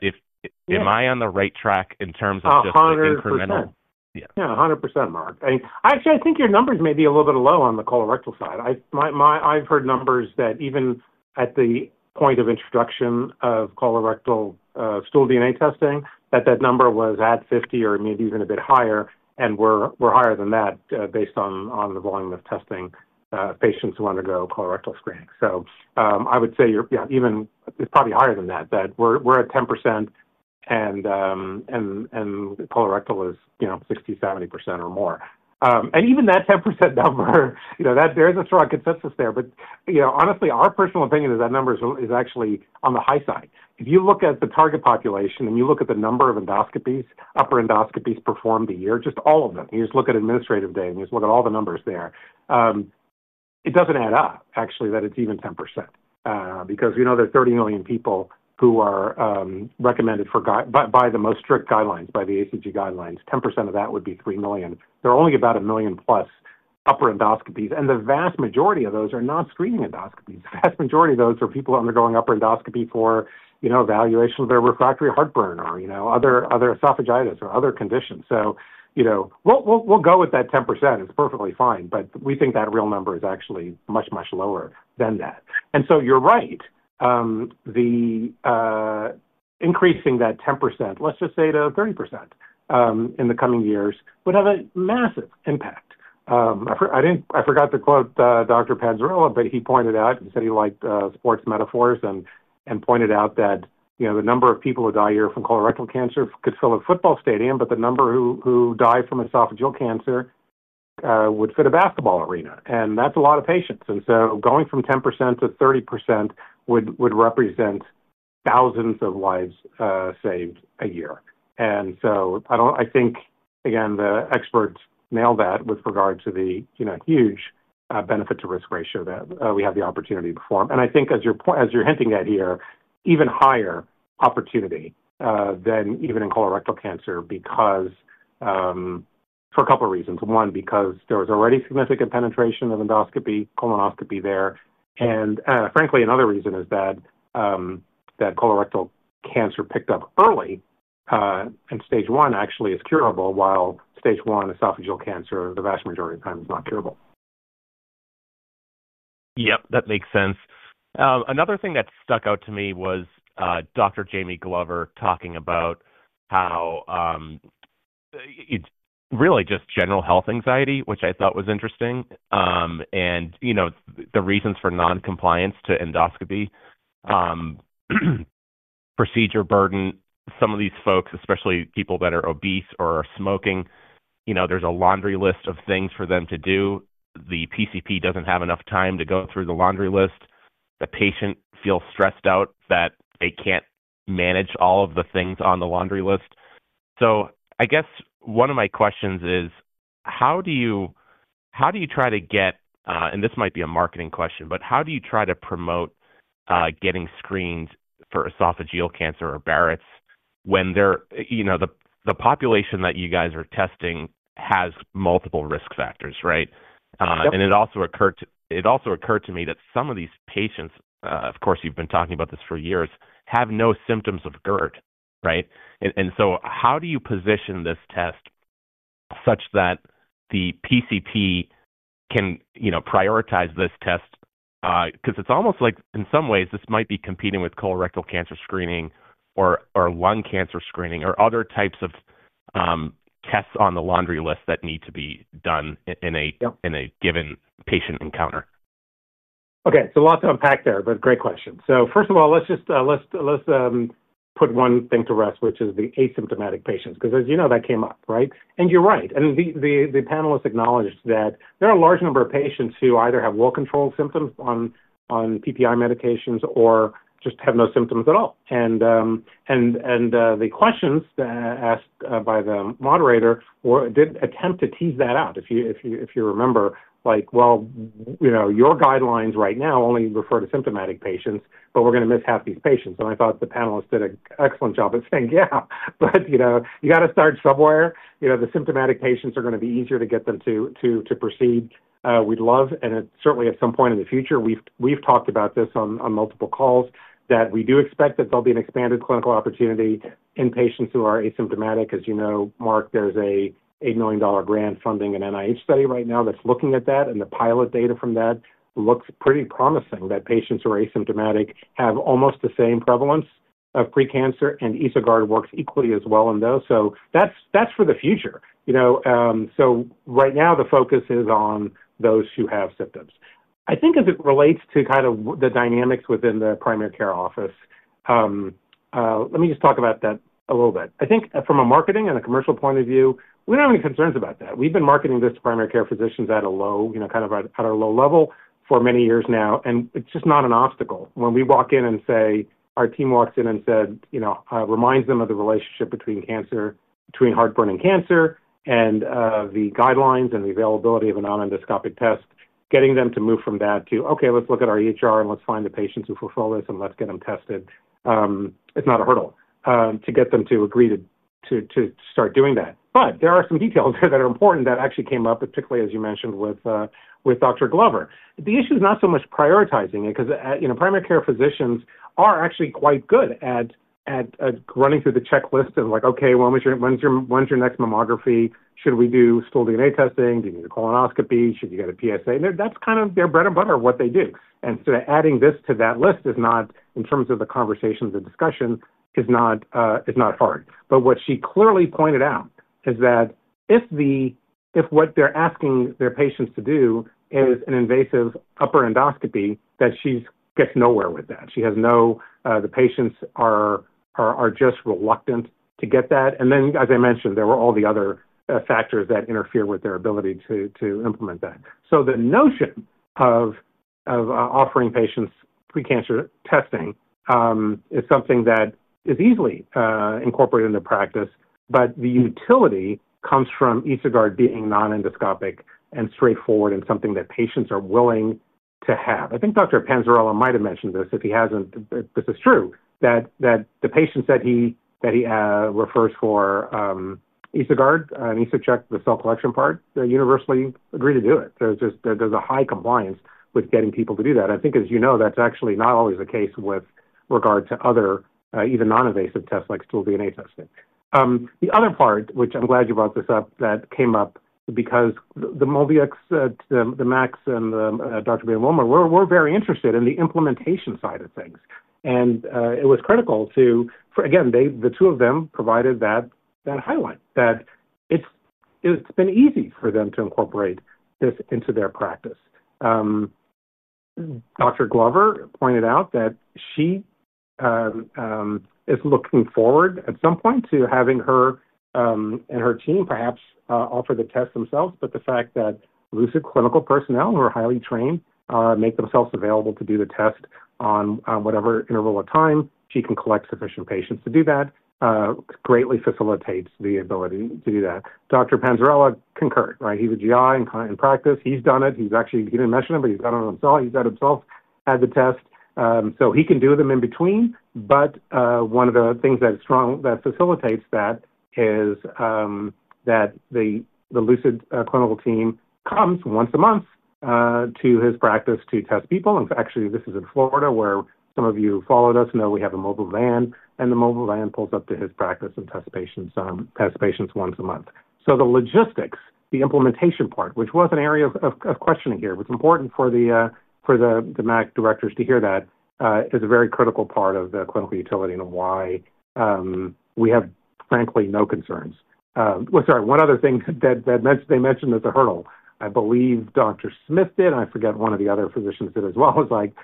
Am I on the right track in terms of just incremental? Yeah.
100%, Mark. Actually, I think your numbers may be a little bit low on the colorectal side. I've heard numbers that even at the point of introduction of colorectal stool-DNA testing, that number was at 50% or maybe even a bit higher. We're higher than that based on the volume of testing patients who undergo colorectal screening. I would say you're, yeah, even it's probably higher than that, that we're at 10% and colorectal is, you know, 60%, 70% or more. Even that 10% number, there's a strong consensus there. Honestly, our personal opinion is that number is actually on the high side. If you look at the target population and you look at the number of endoscopies, upper endoscopies performed a year, just all of them, you just look at administrative data and you just look at all the numbers there, it doesn't add up, actually, that it's even 10%. We know there are 30 million people who are recommended by the most strict guidelines, by the ACG guidelines. 10% of that would be 3 million. There are only about a million plus upper endoscopies. The vast majority of those are not screening endoscopies. The vast majority of those are people undergoing upper endoscopy for evaluation of their refractory heartburn or other esophagitis or other conditions. We'll go with that 10%. It's perfectly fine. We think that real number is actually much, much lower than that. You're right. Increasing that 10%, let's just say to 30% in the coming years, would have a massive impact. I forgot to quote Dr. Panzarella, but he pointed out and said he liked sports metaphors and pointed out that, you know, the number of people who die a year from colorectal cancer could fill a football stadium, but the number who die from esophageal cancer would fit a basketball arena. That's a lot of patients. Going from 10% to 30% would represent thousands of lives saved a year. I think, again, the experts nailed that with regard to the huge benefit-to-risk ratio that we have the opportunity to perform. I think, as you're hinting at here, even higher opportunity than even in colorectal cancer because for a couple of reasons. One, because there was already significant penetration of endoscopy, colonoscopy there. Frankly, another reason is that colorectal cancer picked up early and stage one actually is curable, while stage one esophageal cancer, the vast majority of the time, is not curable.
Yep, that makes sense. Another thing that stuck out to me was Dr. Jamie Glover talking about how it's really just general health anxiety, which I thought was interesting. The reasons for non-compliance to endoscopy, procedure burden, some of these folks, especially people that are obese or are smoking, there's a laundry list of things for them to do. The PCP doesn't have enough time to go through the laundry list. The patient feels stressed out that they can't manage all of the things on the laundry list. I guess one of my questions is, how do you try to get, and this might be a marketing question, but how do you try to promote getting screened for esophageal cancer or Barrett’s when the population that you guys are testing has multiple risk factors, right? It also occurred to me that some of these patients, of course, you've been talking about this for years, have no symptoms of GERD, right? How do you position this test such that the PCP can prioritize this test? It's almost like, in some ways, this might be competing with colorectal cancer screening or lung cancer screening or other types of tests on the laundry list that need to be done in a given patient encounter.
Okay, lots to unpack there, but great question. First of all, let's just put one thing to rest, which is the asymptomatic patients, because as you know, that came up, right? You're right. The panelists acknowledged that there are a large number of patients who either have well-controlled symptoms on PPI medications or just have no symptoms at all. The questions asked by the moderator did attempt to tease that out. If you remember, your guidelines right now only refer to symptomatic patients, but we're going to miss half these patients. I thought the panelists did an excellent job of saying, yeah, but you know, you got to start somewhere. The symptomatic patients are going to be easier to get them to proceed. We'd love, and certainly at some point in the future, we've talked about this on multiple calls, that we do expect that there'll be an expanded clinical opportunity in patients who are asymptomatic. As you know, Mark, there's an $8 million grant funding an NIH study right now that's looking at that. The pilot data from that looks pretty promising that patients who are asymptomatic have almost the same prevalence of precancer, and EsoGuard works equally as well in those. That's for the future. Right now, the focus is on those who have symptoms. I think as it relates to the dynamics within the primary care office, let me just talk about that a little bit. From a marketing and a commercial point of view, we don't have any concerns about that. We've been marketing this to primary care physicians at a low, kind of at a low level for many years now. It's just not an obstacle. When our team walks in and reminds them of the relationship between cancer, between heartburn and cancer, and the guidelines and the availability of a non-endoscopic test, getting them to move from that to, okay, let's look at our EHR and let's find the patients who fulfill this and let's get them tested, it's not a hurdle to get them to agree to start doing that. There are some details there that are important that actually came up, particularly as you mentioned with Dr. Glover. The issue is not so much prioritizing it because primary care physicians are actually quite good at running through the checklist and like, okay, when's your next mammography? Should we do stool-DNA testing? Do you need a colonoscopy? Should you get a PSA? That's kind of their bread and butter of what they do. Adding this to that list is not, in terms of the conversations and discussions, hard. What she clearly pointed out is that if what they're asking their patients to do is an invasive upper endoscopy, she gets nowhere with that. She has no, the patients are just reluctant to get that. As I mentioned, there were all the other factors that interfere with their ability to implement that. The notion of offering patients precancer testing is something that is easily incorporated in their practice, but the utility comes from EsoGuard being non-endoscopic and straightforward and something that patients are willing to have. I think Dr. Panzarella might have mentioned this, if he hasn't, but this is true, that the patients that he refers for EsoGuard and EsoCheck, the cell collection part, they universally agree to do it. There's a high compliance with getting people to do that. As you know, that's actually not always the case with regard to other even non-invasive tests like stool-DNA testing. The other part, which I'm glad you brought this up, that came up because the MolDX, the MACs, and Dr. Ben Wilmer were very interested in the implementation side of things. It was critical to, again, the two of them provided that highlight, that it's been easy for them to incorporate this into their practice. Dr. Glover pointed out that she is looking forward at some point to having her and her team perhaps offer the tests themselves, but the fact that Lucid clinical personnel who are highly trained make themselves available to do the test on whatever interval of time, she can collect sufficient patients to do that. It greatly facilitates the ability to do that. Dr. Panzarella concurred, right? He's a GI in practice. He's done it. He didn't mention it, but he's done it himself. He's done it himself, had the test. He can do them in between. One of the things that facilitates that is that the Lucid clinical team comes once a month to his practice to test people. Actually, this is in Florida, where some of you who followed us know we have a mobile van, and the mobile van pulls up to his practice and tests patients once a month. The logistics, the implementation part, which was an area of questioning here, was important for the MAC directors to hear. That is a very critical part of the clinical utility and why we have, frankly, no concerns. Sorry, one other thing that they mentioned at the hurdle, I believe Dr. Smith did, and I forget one of the other physicians did as well, was like,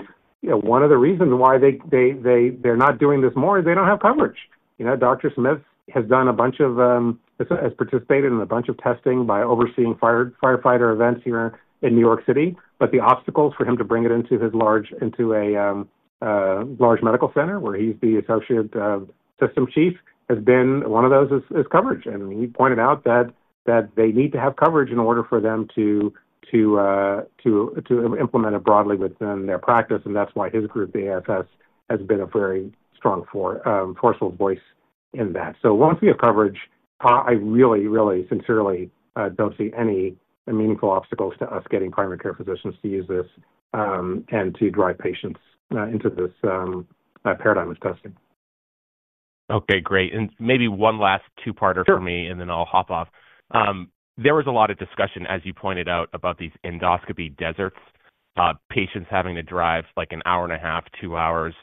you know, one of the reasons why they're not doing this more is they don't have coverage. You know, Dr. Smith has done a bunch of, has participated in a bunch of testing by overseeing firefighter events here in New York City, but the obstacles for him to bring it into a large medical center where he's the Associate System Chief has been one of those is coverage. He pointed out that they need to have coverage in order for them to implement it broadly within their practice. That's why his group, the AFS, has been a very strong forceful voice in that. Once we have coverage, I really, really sincerely don't see any meaningful obstacles to us getting primary care physicians to use this and to drive patients into this paradigm of testing.
Okay, great. Maybe one last two-parter for me, and then I'll hop off. There was a lot of discussion, as you pointed out, about these endoscopy deserts, patients having to drive like an hour and a half, two hours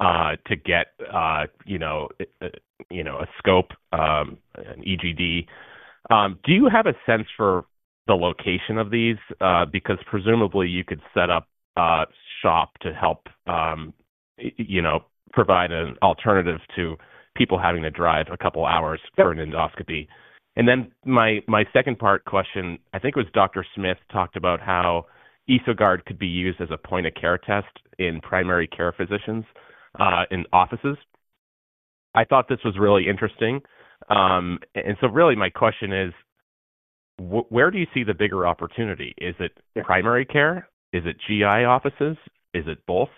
to get, you know, a scope, an EGD. Do you have a sense for the location of these? Presumably you could set up a shop to help provide an alternative to people having to drive a couple hours for an endoscopy. My second part question, I think it was Dr. Smith, talked about how EsoGuard could be used as a point-of-care test in primary care physicians' offices. I thought this was really interesting. Really my question is, where do you see the bigger opportunity? Is it primary care? Is it GI offices? Is it both?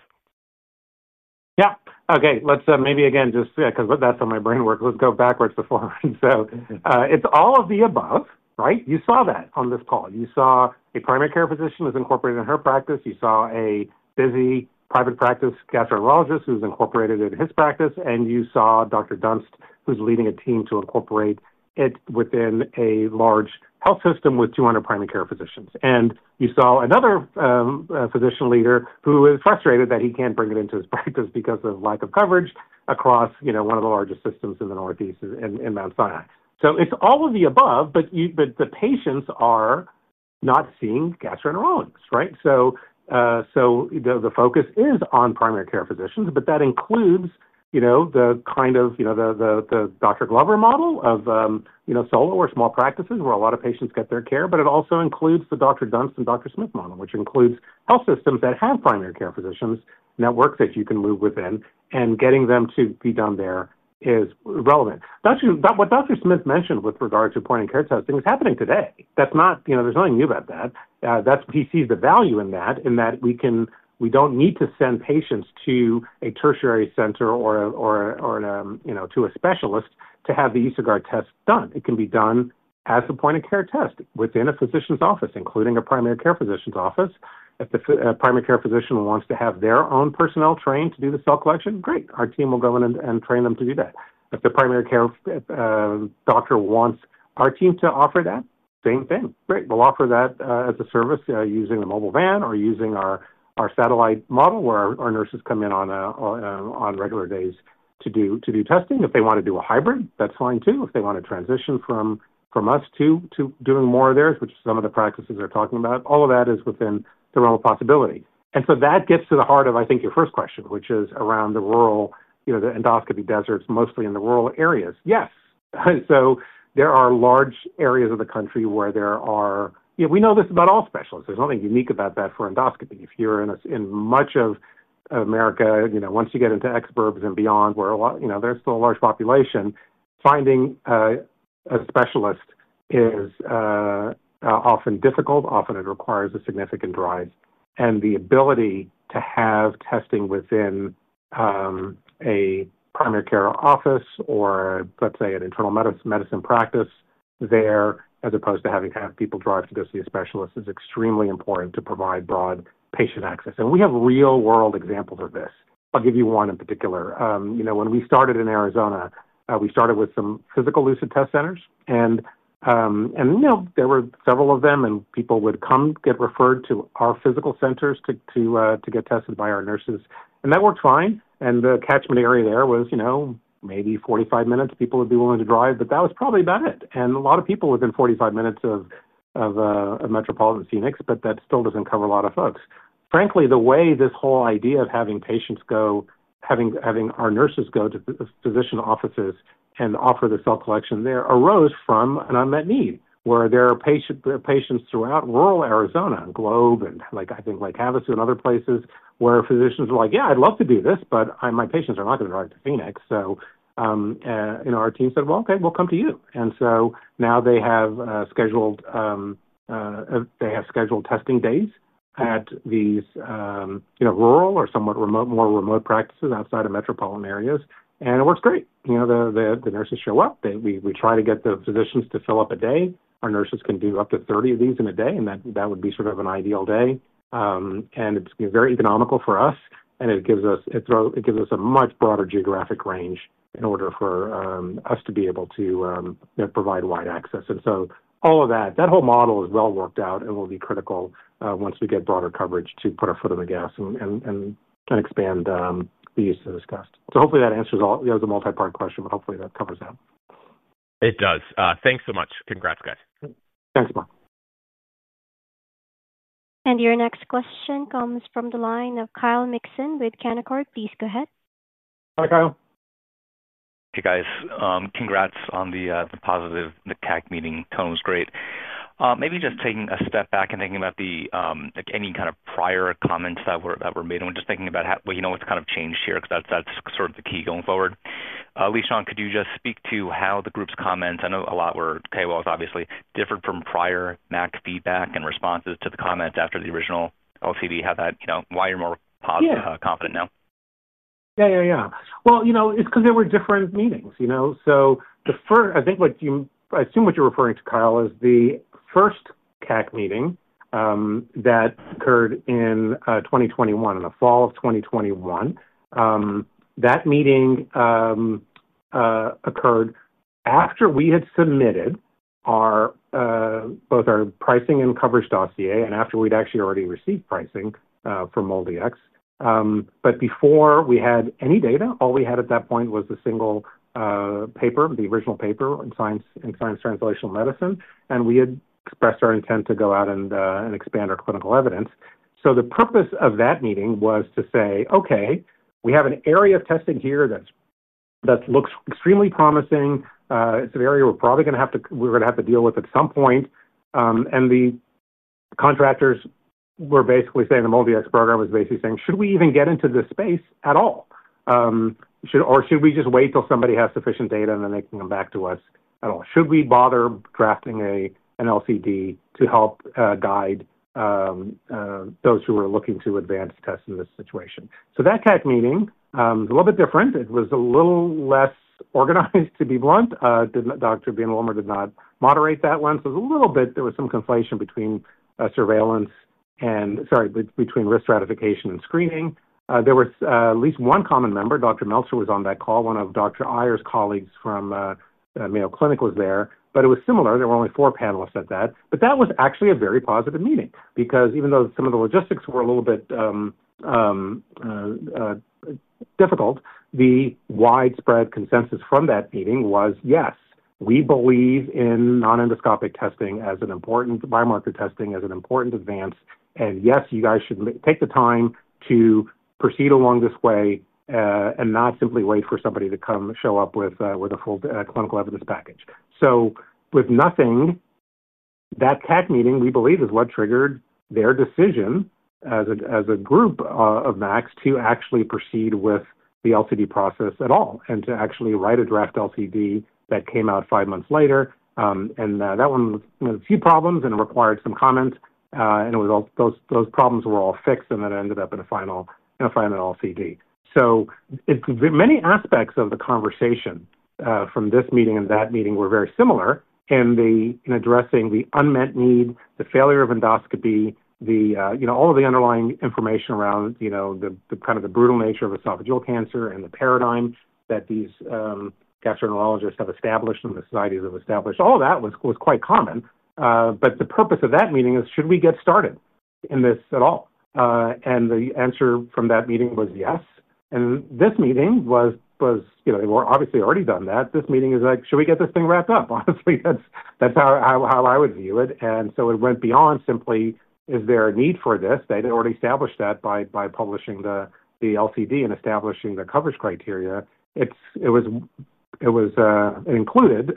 Yeah. Okay. Let's maybe again just, yeah, because that's on my brain work. Let's go backwards with Lauren. It's all of the above, right? You saw that on this call. You saw a primary care physician who's incorporated it in her practice. You saw a busy private practice gastroenterologist who's incorporated it in his practice. You saw Dr. Dunst, who's leading a team to incorporate it within a large health system with 200 primary care physicians. You saw another physician leader who is frustrated that he can't bring it into his practice because of lack of coverage across one of the largest systems in the Northeast in [MS ]. It's all of the above, but the patients are not seeing gastroenterologists, right? The focus is on primary care physicians, but that includes, you know, the kind of, you know, the Dr. Glover model of, you know, solo or small practices where a lot of patients get their care, but it also includes the Dr. Dunst and Dr. Smith model, which includes health systems that have primary care physicians, networks that you can move within, and getting them to be done there is relevant. What Dr. Smith mentioned with regard to point-of-care testing is happening today. That's not, you know, there's nothing new about that. He sees the value in that, in that we can, we don't need to send patients to a tertiary center or, you know, to a specialist to have the EsoGuard test done. It can be done as a point-of-care test within a physician's office, including a primary care physician's office. If the primary care physician wants to have their own personnel trained to do the cell collection, great. Our team will go in and train them to do that. If the primary care doctor wants our team to offer that, same thing. Great. We'll offer that as a service using the mobile van or using our satellite model where our nurses come in on regular days to do testing. If they want to do a hybrid, that's fine too. If they want to transition from us to doing more of theirs, which is some of the practices they're talking about, all of that is within the realm of possibility. That gets to the heart of, I think, your first question, which is around the rural, you know, the endoscopy deserts mostly in the rural areas. Yes. There are large areas of the country where there are, you know, we know this about all specialists. There's nothing unique about that for endoscopy. If you're in much of America, you know, once you get into exurbs and beyond, where, you know, there's still a large population, finding a specialist is often difficult. Often, it requires a significant drive. The ability to have testing within a primary care office or, let's say, an internal medicine practice there, as opposed to having to have people drive to go see a specialist, is extremely important to provide broad patient access. We have real-world examples of this. I'll give you one in particular. When we started in Arizona, we started with some physical Lucid test centers. There were several of them, and people would come get referred to our physical centers to get tested by our nurses. That worked fine. The catchment area there was, you know, maybe 45 minutes. People would be willing to drive, but that was probably about it. A lot of people are within 45 minutes of metropolitan Phoenix, but that still doesn't cover a lot of folks. Frankly, the way this whole idea of having patients go, having our nurses go to the physician offices and offer the cell collection there arose from an unmet need where there are patients throughout rural Arizona and Globe and, like, I think, like Havasu and other places where physicians are like, yeah, I'd love to do this, but my patients are not going to drive to Phoenix. Our team said, okay, we'll come to you. Now they have scheduled testing days at these rural or somewhat more remote practices outside of metropolitan areas, and it works great. The nurses show up. We try to get the physicians to fill up a day. Our nurses can do up to 30 of these in a day, and that would be sort of an ideal day. It's very economical for us, and it gives us a much broader geographic range in order for us to be able to provide wide access. All of that, that whole model is well worked out and will be critical once we get broader coverage to put our foot on the gas and expand the use of this cost. Hopefully that answers all the multi-part question, but hopefully that covers that.
It does. Thanks so much. Congrats, guys.
Thanks, Mark.
Your next question comes from the line of Kyle Mikson with Cannacord. Please go ahead.
Hi, Kyle.
Hey, guys. Congrats on the positive CAC meeting. Tone was great. Maybe just taking a step back and thinking about any kind of prior comments that were made. We're just thinking about what you know, what's kind of changed here, because that's sort of the key going forward. Lishan, could you just speak to how the group's comments, I know a lot were KWALs, obviously, differed from prior MAC feedback and responses to the comments after the original LCD? How that, you know, why you're more positive, confident now?
It's because there were different meetings, you know. I think what you, I assume what you're referring to, Kyle, is the first CAC meeting that occurred in 2021, in the fall of 2021. That meeting occurred after we had submitted both our pricing and coverage dossier and after we'd actually already received pricing for MolDX, but before we had any data. All we had at that point was the single paper, the original paper in Science and Science Translational Medicine. We had expressed our intent to go out and expand our clinical evidence. The purpose of that meeting was to say, okay, we have an area of testing here that looks extremely promising. It's an area we're probably going to have to deal with at some point. The contractors were basically saying the MolDX program was basically saying, should we even get into this space at all? Should we just wait till somebody has sufficient data and then they can come back to us at all? Should we bother drafting an LCD to help guide those who are looking to advance tests in this situation? That CAC meeting was a little bit different. It was a little less organized, to be blunt. Dr. Ben did not moderate that one. It was a little bit, there was some conflation between surveillance and, sorry, between risk stratification and screening. There was at least one common member, Dr. Meltzer was on that call. One of Dr. Iyer's colleagues from Mayo Clinic was there. It was similar. There were only four panelists at that. That was actually a very positive meeting because even though some of the logistics were a little bit difficult, the widespread consensus from that meeting was, yes, we believe in non-endoscopic testing as an important biomarker testing, as an important advance. Yes, you guys should take the time to proceed along this way and not simply wait for somebody to come show up with a full clinical evidence package. With nothing, that CAC meeting, we believe, is what triggered their decision as a group of MACs to actually proceed with the LCD process at all and to actually write a draft LCD that came out five months later. That one had a few problems and required some comments. It was all, those problems were all fixed and then it ended up in a final, in a final LCD. Many aspects of the conversation from this meeting and that meeting were very similar in addressing the unmet need, the failure of endoscopy, all of the underlying information around the brutal nature of esophageal cancer and the paradigm that these gastroenterologists have established and the societies have established. All that was quite common. The purpose of that meeting is, should we get started in this at all? The answer from that meeting was yes. This meeting was, they were obviously already done that. This meeting is like, should we get this thing wrapped up? Honestly, that's how I would view it. It went beyond simply, is there a need for this? They had already established that by publishing the LCD and establishing the coverage criteria. It was included,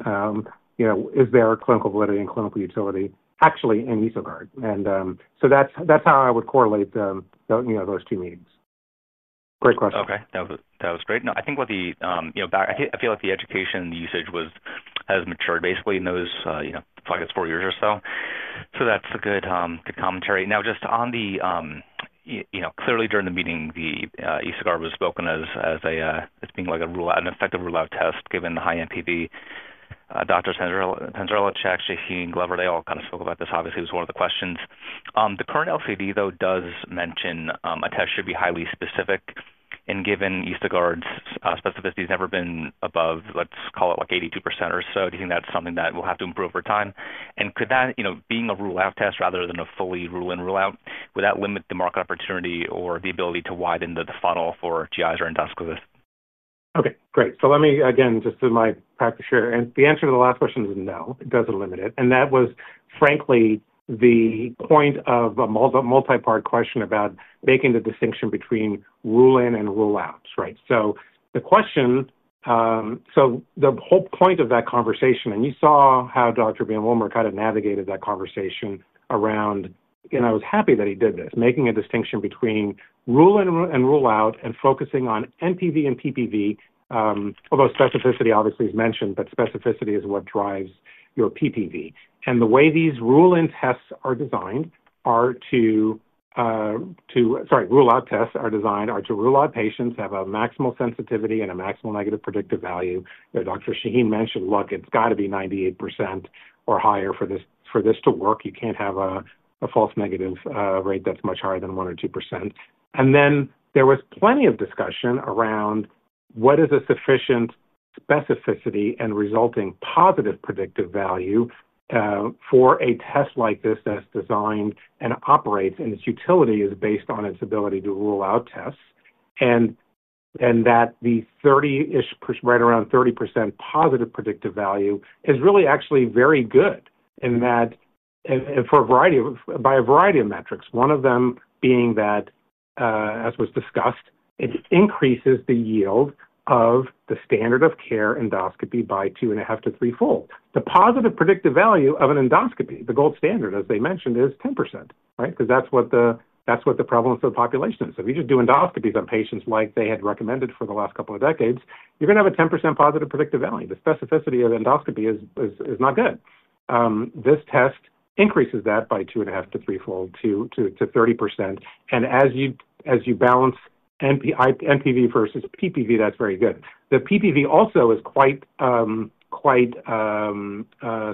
is there clinical validity and clinical utility actually in EsoGuard? That's how I would correlate those two meetings. Great question.
Okay. That was great. No, I think what the, you know, back, I feel like the education usage has matured basically in those, you know, I guess four years or so. That's a good commentary. Now, just on the, you know, clearly during the meeting, the EsoGuard was spoken as being like a rule, an effective rule-out test given the high NPV. Dr. Panzarella, Chak, Shaheen, Glover, they all kind of spoke about this. Obviously, it was one of the questions. The current LCD, though, does mention a test should be highly specific. Given EsoGuard's specificity has never been above, let's call it like 82% or so, do you think that's something that will have to improve over time? Could that, you know, being a rule-out test rather than a fully rule-in rule-out, would that limit the market opportunity or the ability to widen the funnel for GIs or endoscopists?
Okay, great. Let me, again, just do my practice here. The answer to the last question is no, it doesn't limit it. That was, frankly, the point of a multi-part question about making the distinction between rule-in and rule-out, right? The whole point of that conversation, and you saw how Dr. Ben Wilmer kind of navigated that conversation around, and I was happy that he did this, making a distinction between rule-in and rule-out and focusing on NPV and PPV, although specificity obviously is mentioned, but specificity is what drives your PPV. The way these rule-in tests are designed are to, sorry, rule-out tests are designed to rule out patients who have a maximal sensitivity and a maximal negative predictive value. Dr. Shaheen mentioned, look, it's got to be 98% or higher for this to work. You can't have a false negative rate that's much higher than 1% or 2%. There was plenty of discussion around what is a sufficient specificity and resulting positive predictive value for a test like this that's designed and operates, and its utility is based on its ability to rule out tests. The 30-ish, right around 30% positive predictive value is really actually very good in that, and for a variety of, by a variety of metrics, one of them being that, as was discussed, it increases the yield of the standard of care endoscopy by two and a half to three-fold. The positive predictive value of an endoscopy, the gold standard, as they mentioned, is 10%, right? That's what the prevalence of the population is. If you just do endoscopies on patients like they had recommended for the last couple of decades, you're going to have a 10% positive predictive value. The specificity of endoscopy is not good. This test increases that by two and a half to three-fold to 30%. As you balance NPV versus PPV, that's very good. The PPV also is quite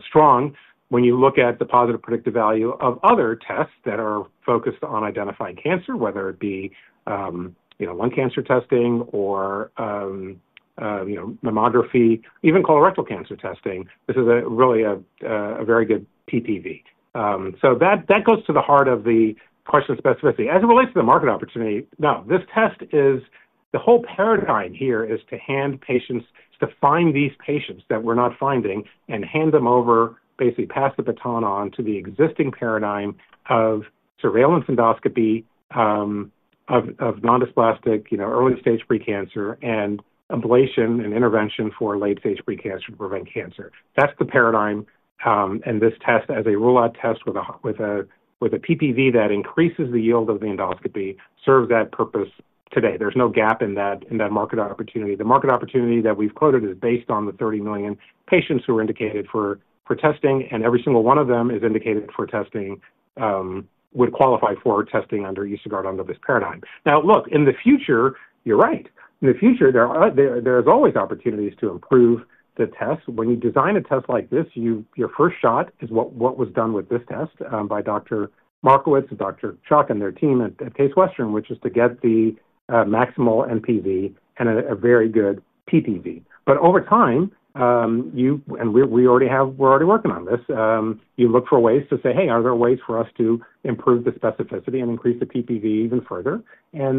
strong when you look at the positive predictive value of other tests that are focused on identifying cancer, whether it be. know, lung cancer testing or, you know, mammography, even colorectal cancer testing. This is really a very good PPV. That goes to the heart of the question of specificity as it relates to the market opportunity. No, this test is—the whole paradigm here is to hand patients, to find these patients that we're not finding and hand them over, basically pass the baton on to the existing paradigm of surveillance endoscopy of non-dysplastic, you know, early stage precancer and ablation and intervention for late stage precancer to prevent cancer. That's the paradigm. This test as a rule-out test with a PPV that increases the yield of the endoscopy serves that purpose today. There's no gap in that market opportunity. The market opportunity that we've quoted is based on the 30 million patients who are indicated for testing, and every single one of them is indicated for testing, would qualify for testing under EsoGuard under this paradigm. Now, look, in the future, you're right. In the future, there are always opportunities to improve the test. When you design a test like this, your first shot is what was done with this test by Dr. Markowitz, Dr. Chak, and their team at Case Western, which is to get the maximal NPV and a very good PPV. Over time, you, and we already have, we're already working on this. You look for ways to say, hey, are there ways for us to improve the specificity and increase the PPV even further? There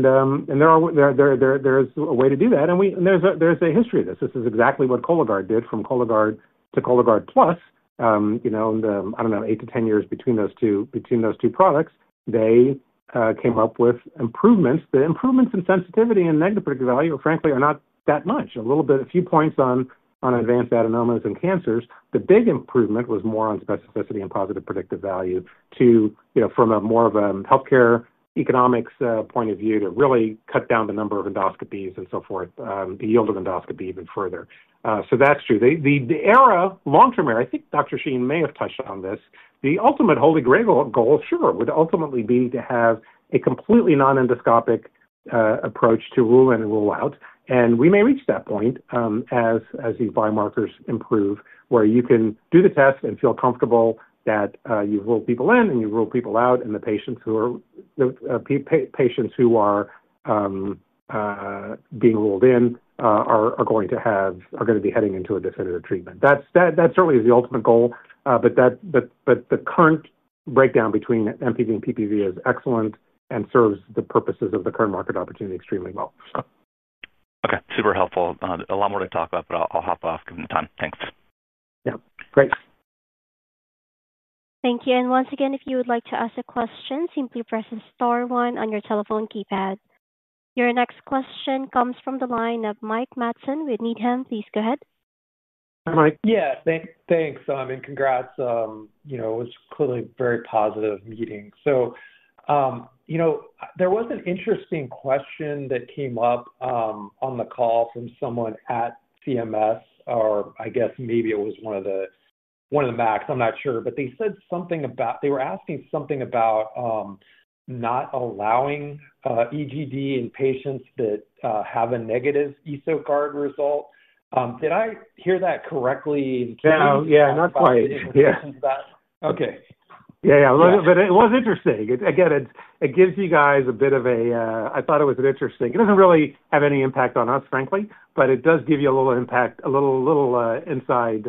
is a way to do that. There's a history of this. This is exactly what Cologuard did from Cologuard to Cologuard Plus. I don't know, eight to ten years between those two products, they came up with improvements. The improvements in sensitivity and negative predictive value, frankly, are not that much. A little bit, a few points on advanced adenomas and cancers. The big improvement was more on specificity and positive predictive value, from more of a healthcare economics point of view, to really cut down the number of endoscopies and so forth, the yield of endoscopy even further. That’s true. The long-term era, I think Dr. Shaheen may have touched on this, the ultimate holy grail goal, sure, would ultimately be to have a completely non-endoscopic approach to rule in and rule out. We may reach that point as these biomarkers improve, where you can do the test and feel comfortable that you've ruled people in and you've ruled people out, and the patients who are being ruled in are going to be heading into a definitive treatment. That's certainly the ultimate goal. The current breakdown between NPV and PPV is excellent and serves the purposes of the current market opportunity extremely well.
Okay, super helpful. A lot more to talk about, but I'll hop off given the time. Thanks.
Yeah, great.
Thank you. If you would like to ask a question, simply press star one on your telephone keypad. Your next question comes from the line of Mike Matson with Needham. Please go ahead.
Hi, Mike. Yeah, thanks. I mean, congrats. It was clearly a very positive meeting. There was an interesting question that came up on the call from someone at CMS, or I guess maybe it was one of the MACs, I'm not sure, but they said something about, they were asking something about not allowing EGD in patients that have a negative EsoGuard result. Did I hear that correctly?
Yeah, yeah, not quite. Yeah. Okay. Yeah, yeah. It was interesting. It gives you guys a bit of a, I thought it was an interesting, it does not really have any impact on us, frankly, but it does give you a little impact, a little inside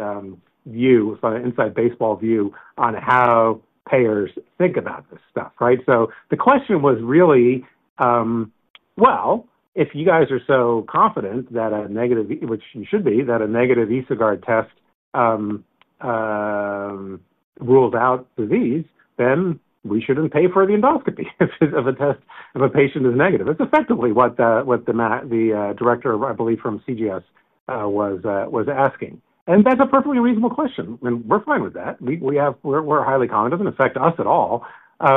view, inside baseball view on how payers think about this stuff, right? The question was really, well, if you guys are so confident that a negative, which you should be, that a negative EsoGuard test rules out disease, then we should not pay for the endoscopy of a test if a patient is negative. That is effectively what the director, I believe, from CGS was asking. That is a perfectly reasonable question. We are fine with that. We are highly cognizant, in fact, us at all. We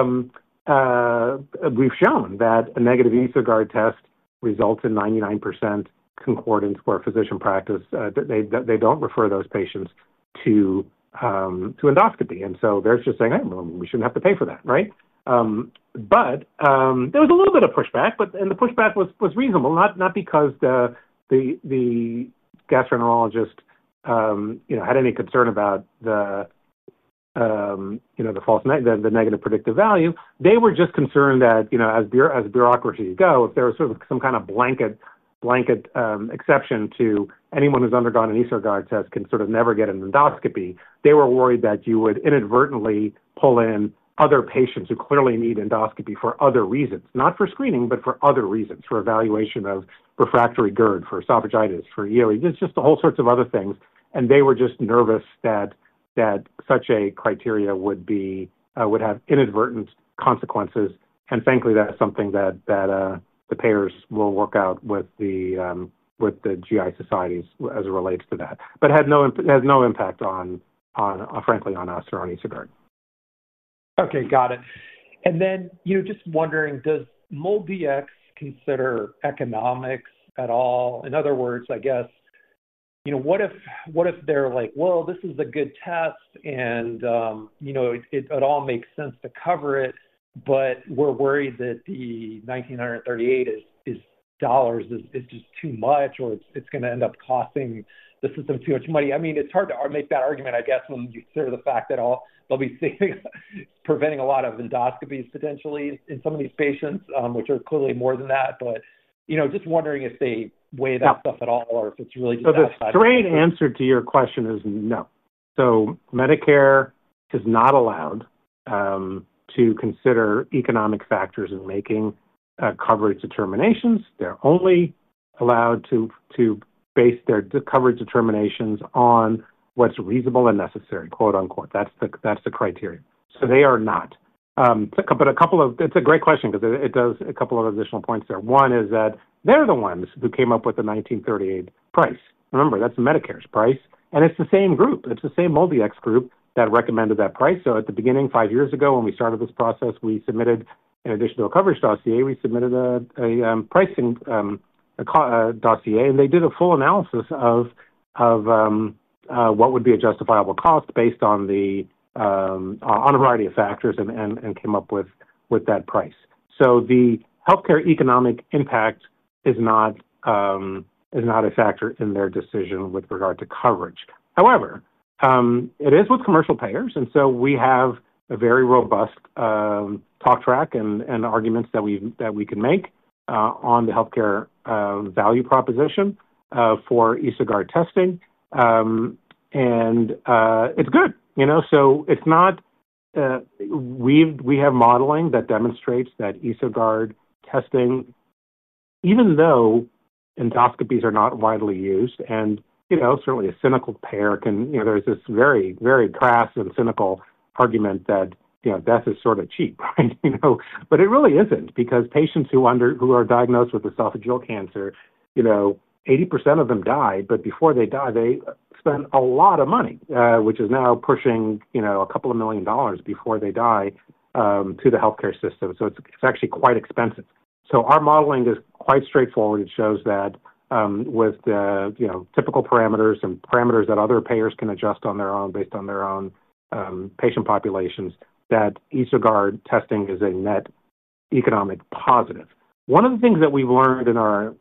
have shown that a negative EsoGuard test results in 99% concordance for physician practice. They do not refer those patients to endoscopy. They are just saying, hey, we should not have to pay for that, right? There was a little bit of pushback, and the pushback was reasonable, not because the gastroenterologist had any concern about the false negative predictive value. They were just concerned that, you know, as bureaucracy goes, if there was sort of some kind of blanket exception to anyone who has undergone an EsoGuard test can sort of never get an endoscopy, they were worried that you would inadvertently pull in other patients who clearly need endoscopy for other reasons, not for screening, but for other reasons, for evaluation of refractory GERD, for esophagitis, for yearly, just the whole sorts of other things. They were just nervous that such a criteria would have inadvertent consequences. Frankly, that is something that the payers will work out with the GI societies as it relates to that. It has no impact on, frankly, on us or on EsoGuard.
Okay, got it. Just wondering, does MolDX consider economics at all? In other words, I guess, what if they're like, this is a good test and it all makes sense to cover it, but we're worried that the $1,938 is just too much or it's going to end up costing the system too much money. I mean, it's hard to make that argument, I guess, when you consider the fact that they'll be preventing a lot of endoscopies potentially in some of these patients, which are clearly more than that. Just wondering if they weigh that stuff at all or if it's really just a fact.
The straight answer to your question is no. Medicare is not allowed to consider economic factors in making coverage determinations. They're only allowed to base their coverage determinations on what's reasonable and necessary, quote unquote. That's the criteria. They are not. It's a great question because it does a couple of additional points there. One is that they're the ones who came up with the $1,938 price. Remember, that's Medicare's price. It's the same group. It's the same MolDX group that recommended that price. At the beginning, five years ago, when we started this process, we submitted, in addition to a coverage dossier, a pricing dossier and they did a full analysis of what would be a justifiable cost based on a variety of factors and came up with that price. The healthcare economic impact is not a factor in their decision with regard to coverage. However, it is with commercial payers. We have a very robust talk track and arguments that we can make on the healthcare value proposition for EsoGuard testing. It's good. We have modeling that demonstrates that EsoGuard testing, even though endoscopies are not widely used, and certainly a cynical payer can, there's this very, very crass and cynical argument that death is sort of cheap, right? It really isn't because patients who are diagnosed with esophageal cancer, 80% of them die, but before they die, they spend a lot of money, which is now pushing a couple of million dollars before they die to the healthcare system. It's actually quite expensive. Our modeling is quite straightforward. It shows that with the typical parameters and parameters that other payers can adjust on their own based on their own patient populations, EsoGuard testing is a net economic positive. One of the things that we've learned in our,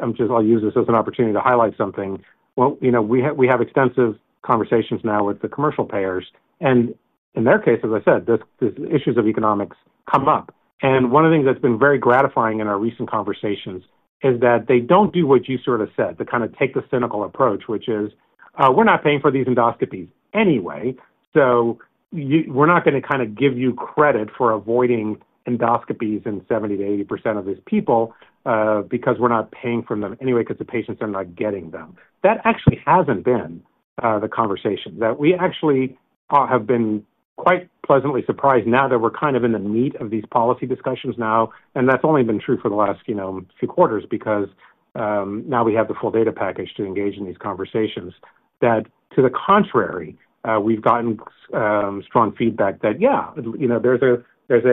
I'll use this as an opportunity to highlight something. We have extensive conversations now with the commercial payers. In their case, as I said, the issues of economics come up. One of the things that's been very gratifying in our recent conversations is that they don't do what you sort of said, to kind of take the cynical approach, which is, we're not paying for these endoscopies anyway. We're not going to give you credit for avoiding endoscopies in 70%- 80% of these people because we're not paying for them anyway, because the patients are not getting them. That actually hasn't been the conversation. We actually have been quite pleasantly surprised now that we're in the meat of these policy discussions. That's only been true for the last few quarters because now we have the full data package to engage in these conversations. To the contrary, we've gotten strong feedback that, yeah, there's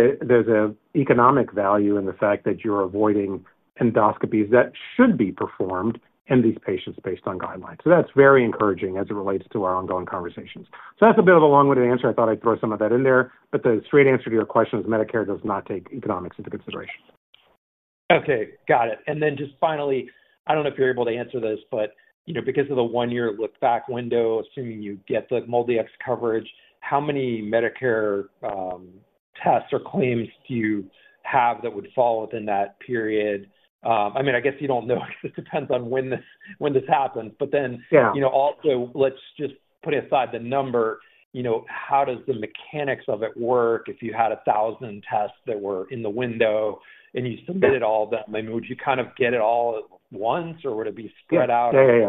an economic value in the fact that you're avoiding endoscopies that should be performed in these patients based on guidelines. That's very encouraging as it relates to our ongoing conversations. That's a bit of a long-winded answer. I thought I'd throw some of that in there. The straight answer to your question is Medicare does not take economics into consideration.
Okay, got it. Finally, I don't know if you're able to answer this, but because of the one-year look-back window, assuming you get the MolDX coverage, how many Medicare tests or claims do you have that would fall within that period? I guess you don't know because it depends on when this happened. Also, let's just put aside the number. How does the mechanics of it work if you had a thousand tests that were in the window and you submitted all of that? Would you get it all at once or would it be spread out?
Let me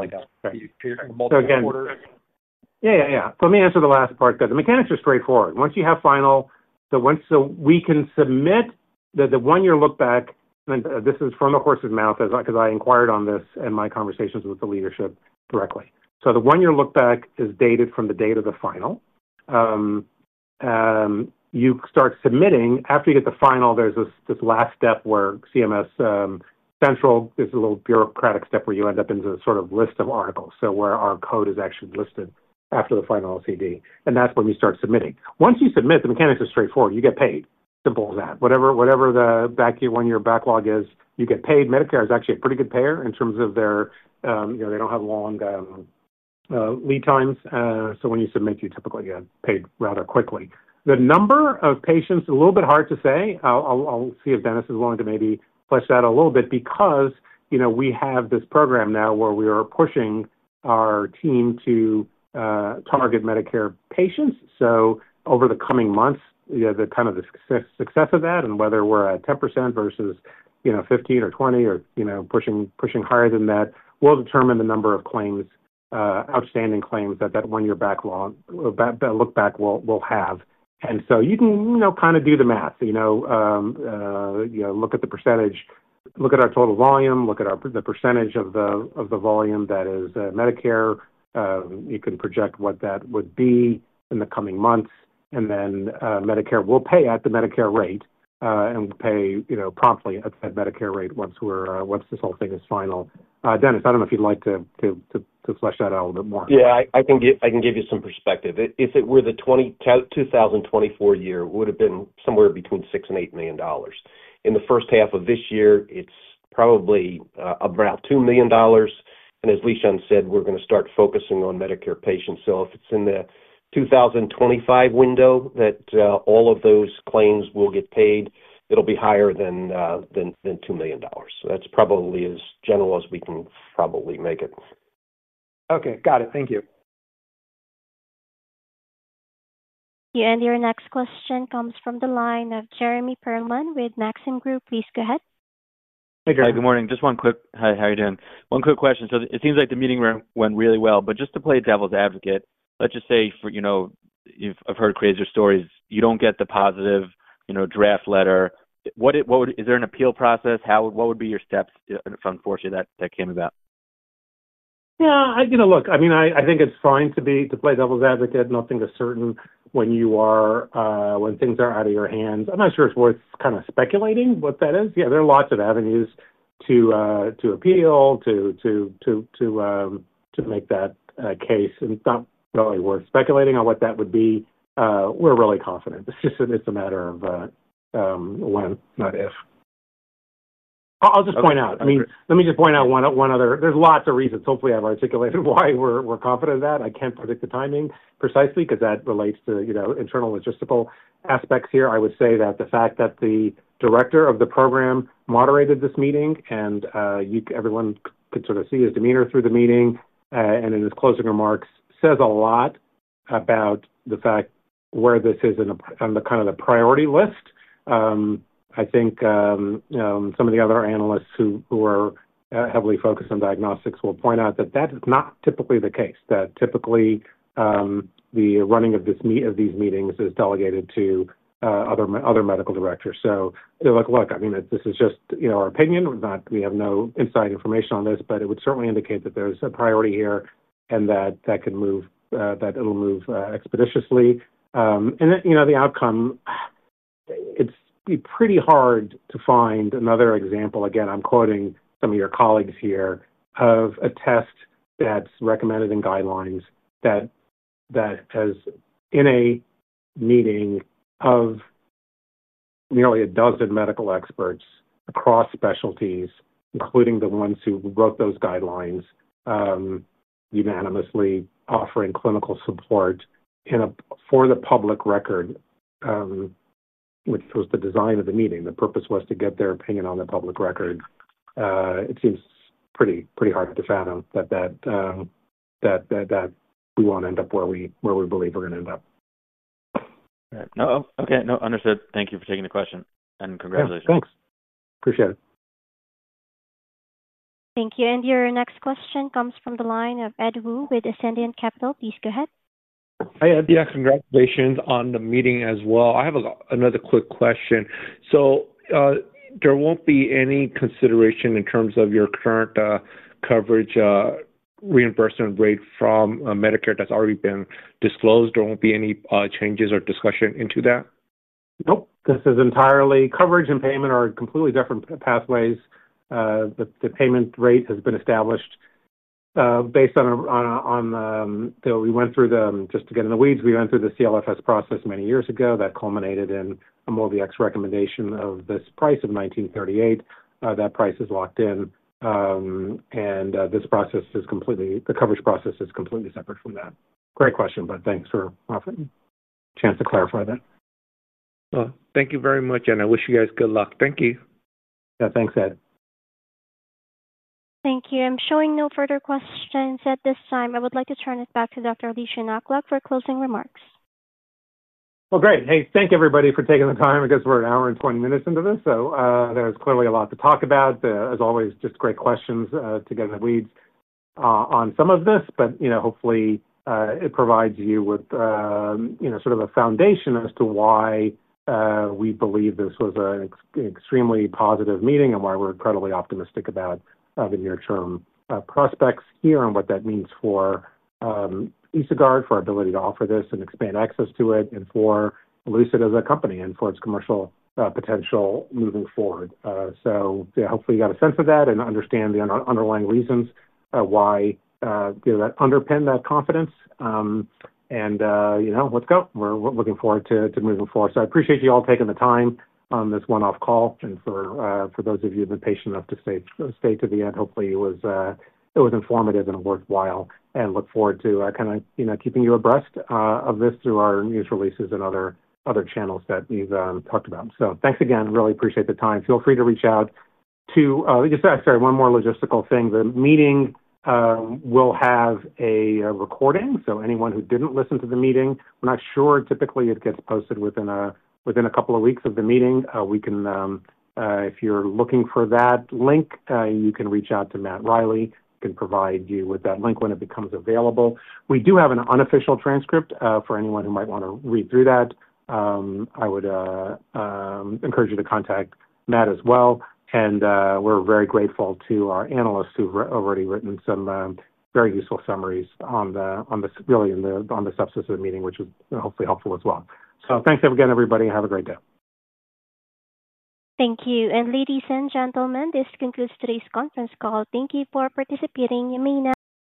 answer the last part. The mechanics are straightforward. Once you have final, the ones that we can submit, the one-year look-back, and this is from a horse's mouth because I inquired on this in my conversations with the leadership directly. The one-year look-back is dated from the date of the final. You start submitting after you get the final. There's this last step where CMS Central, there's a little bureaucratic step where you end up in the sort of list of articles where our code is actually listed after the final LCD. That's when you start submitting. Once you submit, the mechanics are straightforward. You get paid. Simple as that. Whatever the one-year backlog is, you get paid. Medicare is actually a pretty good payer in terms of their, you know, they don't have long lead times. When you submit, you typically get paid rather quickly. The number of patients, a little bit hard to say. I'll see if Dennis is willing to maybe flesh that out a little bit because, you know, we have this program now where we are pushing our team to target Medicare patients. Over the coming months, the kind of the success of that and whether we're at 10% versus, you know, 15% or 20% or, you know, pushing higher than that will determine the number of claims, outstanding claims that that one-year backlog, that look-back will have. You can, you know, kind of do the math. Look at the percentage, look at our total volume, look at the percentage of the volume that is Medicare. You can project what that would be in the coming months. Medicare will pay at the Medicare rate and pay, you know, promptly at the Medicare rate once this whole thing is final. Dennis, I don't know if you'd like to flesh that out a little bit more.
Yeah, I can give you some perspective. If it were the 2024 year, it would have been somewhere between $6 million and $8 million. In the first half of this year, it's probably about $2 million. As Lishan said, we're going to start focusing on Medicare patients. If it's in the 2025 window that all of those claims will get paid, it'll be higher than $2 million. That's probably as general as we can probably make it.
Okay, got it. Thank you.
Your next question comes from the line of Jeremy Pearlman with Maxim Group. Please go ahead.
Hey, Jeremy.
Good morning. Just one quick, hi, how are you doing? One quick question. It seems like the meeting went really well, but just to play devil's advocate, let's just say, you know, I've heard crazy stories. You don't get the positive, you know, draft letter. Is there an appeal process? What would be your steps if, unfortunately, that came about?
Yeah, you know, look, I mean, I think it's fine to play devil's advocate. Nothing is certain when things are out of your hands. I'm not sure it's worth speculating what that is. There are lots of avenues to appeal, to make that case. It's not really worth speculating on what that would be. We're really confident. It's just a matter of when, not if. I'll just point out, let me just point out one other, there's lots of reasons. Hopefully, I've articulated why we're confident in that. I can't predict the timing precisely because that relates to internal logistical aspects here. I would say that the fact that the director of the program moderated this meeting and everyone could sort of see his demeanor through the meeting and in his closing remarks says a lot about the fact where this is on the priority list. I think some of the other analysts who are heavily focused on diagnostics will point out that that is not typically the case, that typically the running of these meetings is delegated to other medical directors. They're like, look, I mean, this is just our opinion. We have no inside information on this, but it would certainly indicate that there's a priority here and that it'll move expeditiously. The outcome, it's pretty hard to find another example. Again, I'm quoting some of your colleagues here of a test that's recommended in guidelines that has in a meeting of nearly a dozen medical experts across specialties, including the ones who wrote those guidelines, unanimously offering clinical support for the public record, which was the design of the meeting. The purpose was to get their opinion on the public record. It seems pretty hard to fathom that we won't end up where we believe we're going to end up.
Okay, no, understood. Thank you for taking the question and congratulations.
Thanks. Appreciate it.
Thank you. Your next question comes from the line of Ed Wu with Ascendiant Capital. Please go ahead.
Hi, Ed.
Yeah, congratulations on the meeting as well. I have another quick question. There won't be any consideration in terms of your current coverage reimbursement rate from Medicare that's already been disclosed. There won't be any changes or discussion into that?
Nope. Coverage and payment are completely different pathways. The payment rate has been established based on the, we went through the, just to get in the weeds, we went through the CLFS process many years ago that culminated in a MolDX recommendation of this price of $1,938. That price is locked in. This process is completely, the coverage process is completely separate from that. Great question, but thanks for offering a chance to clarify that.
Thank you very much. I wish you guys good luck. Thank you.
Yeah, thanks, Ed.
Thank you. I'm showing no further questions at this time. I would like to turn it back to Dr. Lishan Aklog for closing remarks.
Great. Thank everybody for taking the time. I guess we're an hour and 20 minutes into this. There's clearly a lot to talk about. As always, just great questions to get in the weeds on some of this. Hopefully, it provides you with sort of a foundation as to why we believe this was an extremely positive meeting and why we're incredibly optimistic about the near-term prospects here and what that means for EsoGuard, for our ability to offer this and expand access to it, and for Lucid as a company and for its commercial potential moving forward. Hopefully, you got a sense of that and understand the underlying reasons that underpin that confidence. We're looking forward to moving forward. I appreciate you all taking the time on this one-off call. For those of you that have been patient enough to stay to the end, hopefully, it was informative and worthwhile. I look forward to keeping you abreast of this through our news releases and other channels that we've talked about. Thanks again. Really appreciate the time. Feel free to reach out to—I guess, sorry, one more logistical thing. The meeting will have a recording. Anyone who didn't listen to the meeting, I'm not sure, typically it gets posted within a couple of weeks of the meeting. If you're looking for that link, you can reach out to Matt Riley. He can provide you with that link when it becomes available. We do have an unofficial transcript for anyone who might want to read through that. I would encourage you to contact Matt as well. We're very grateful to our analysts who've already written some very useful summaries on the substance of the meeting, which is hopefully helpful as well. Thanks again, everybody. Have a great day.
Thank you. Ladies and gentlemen, this concludes today's conference call. Thank you for participating. You may now disconnect.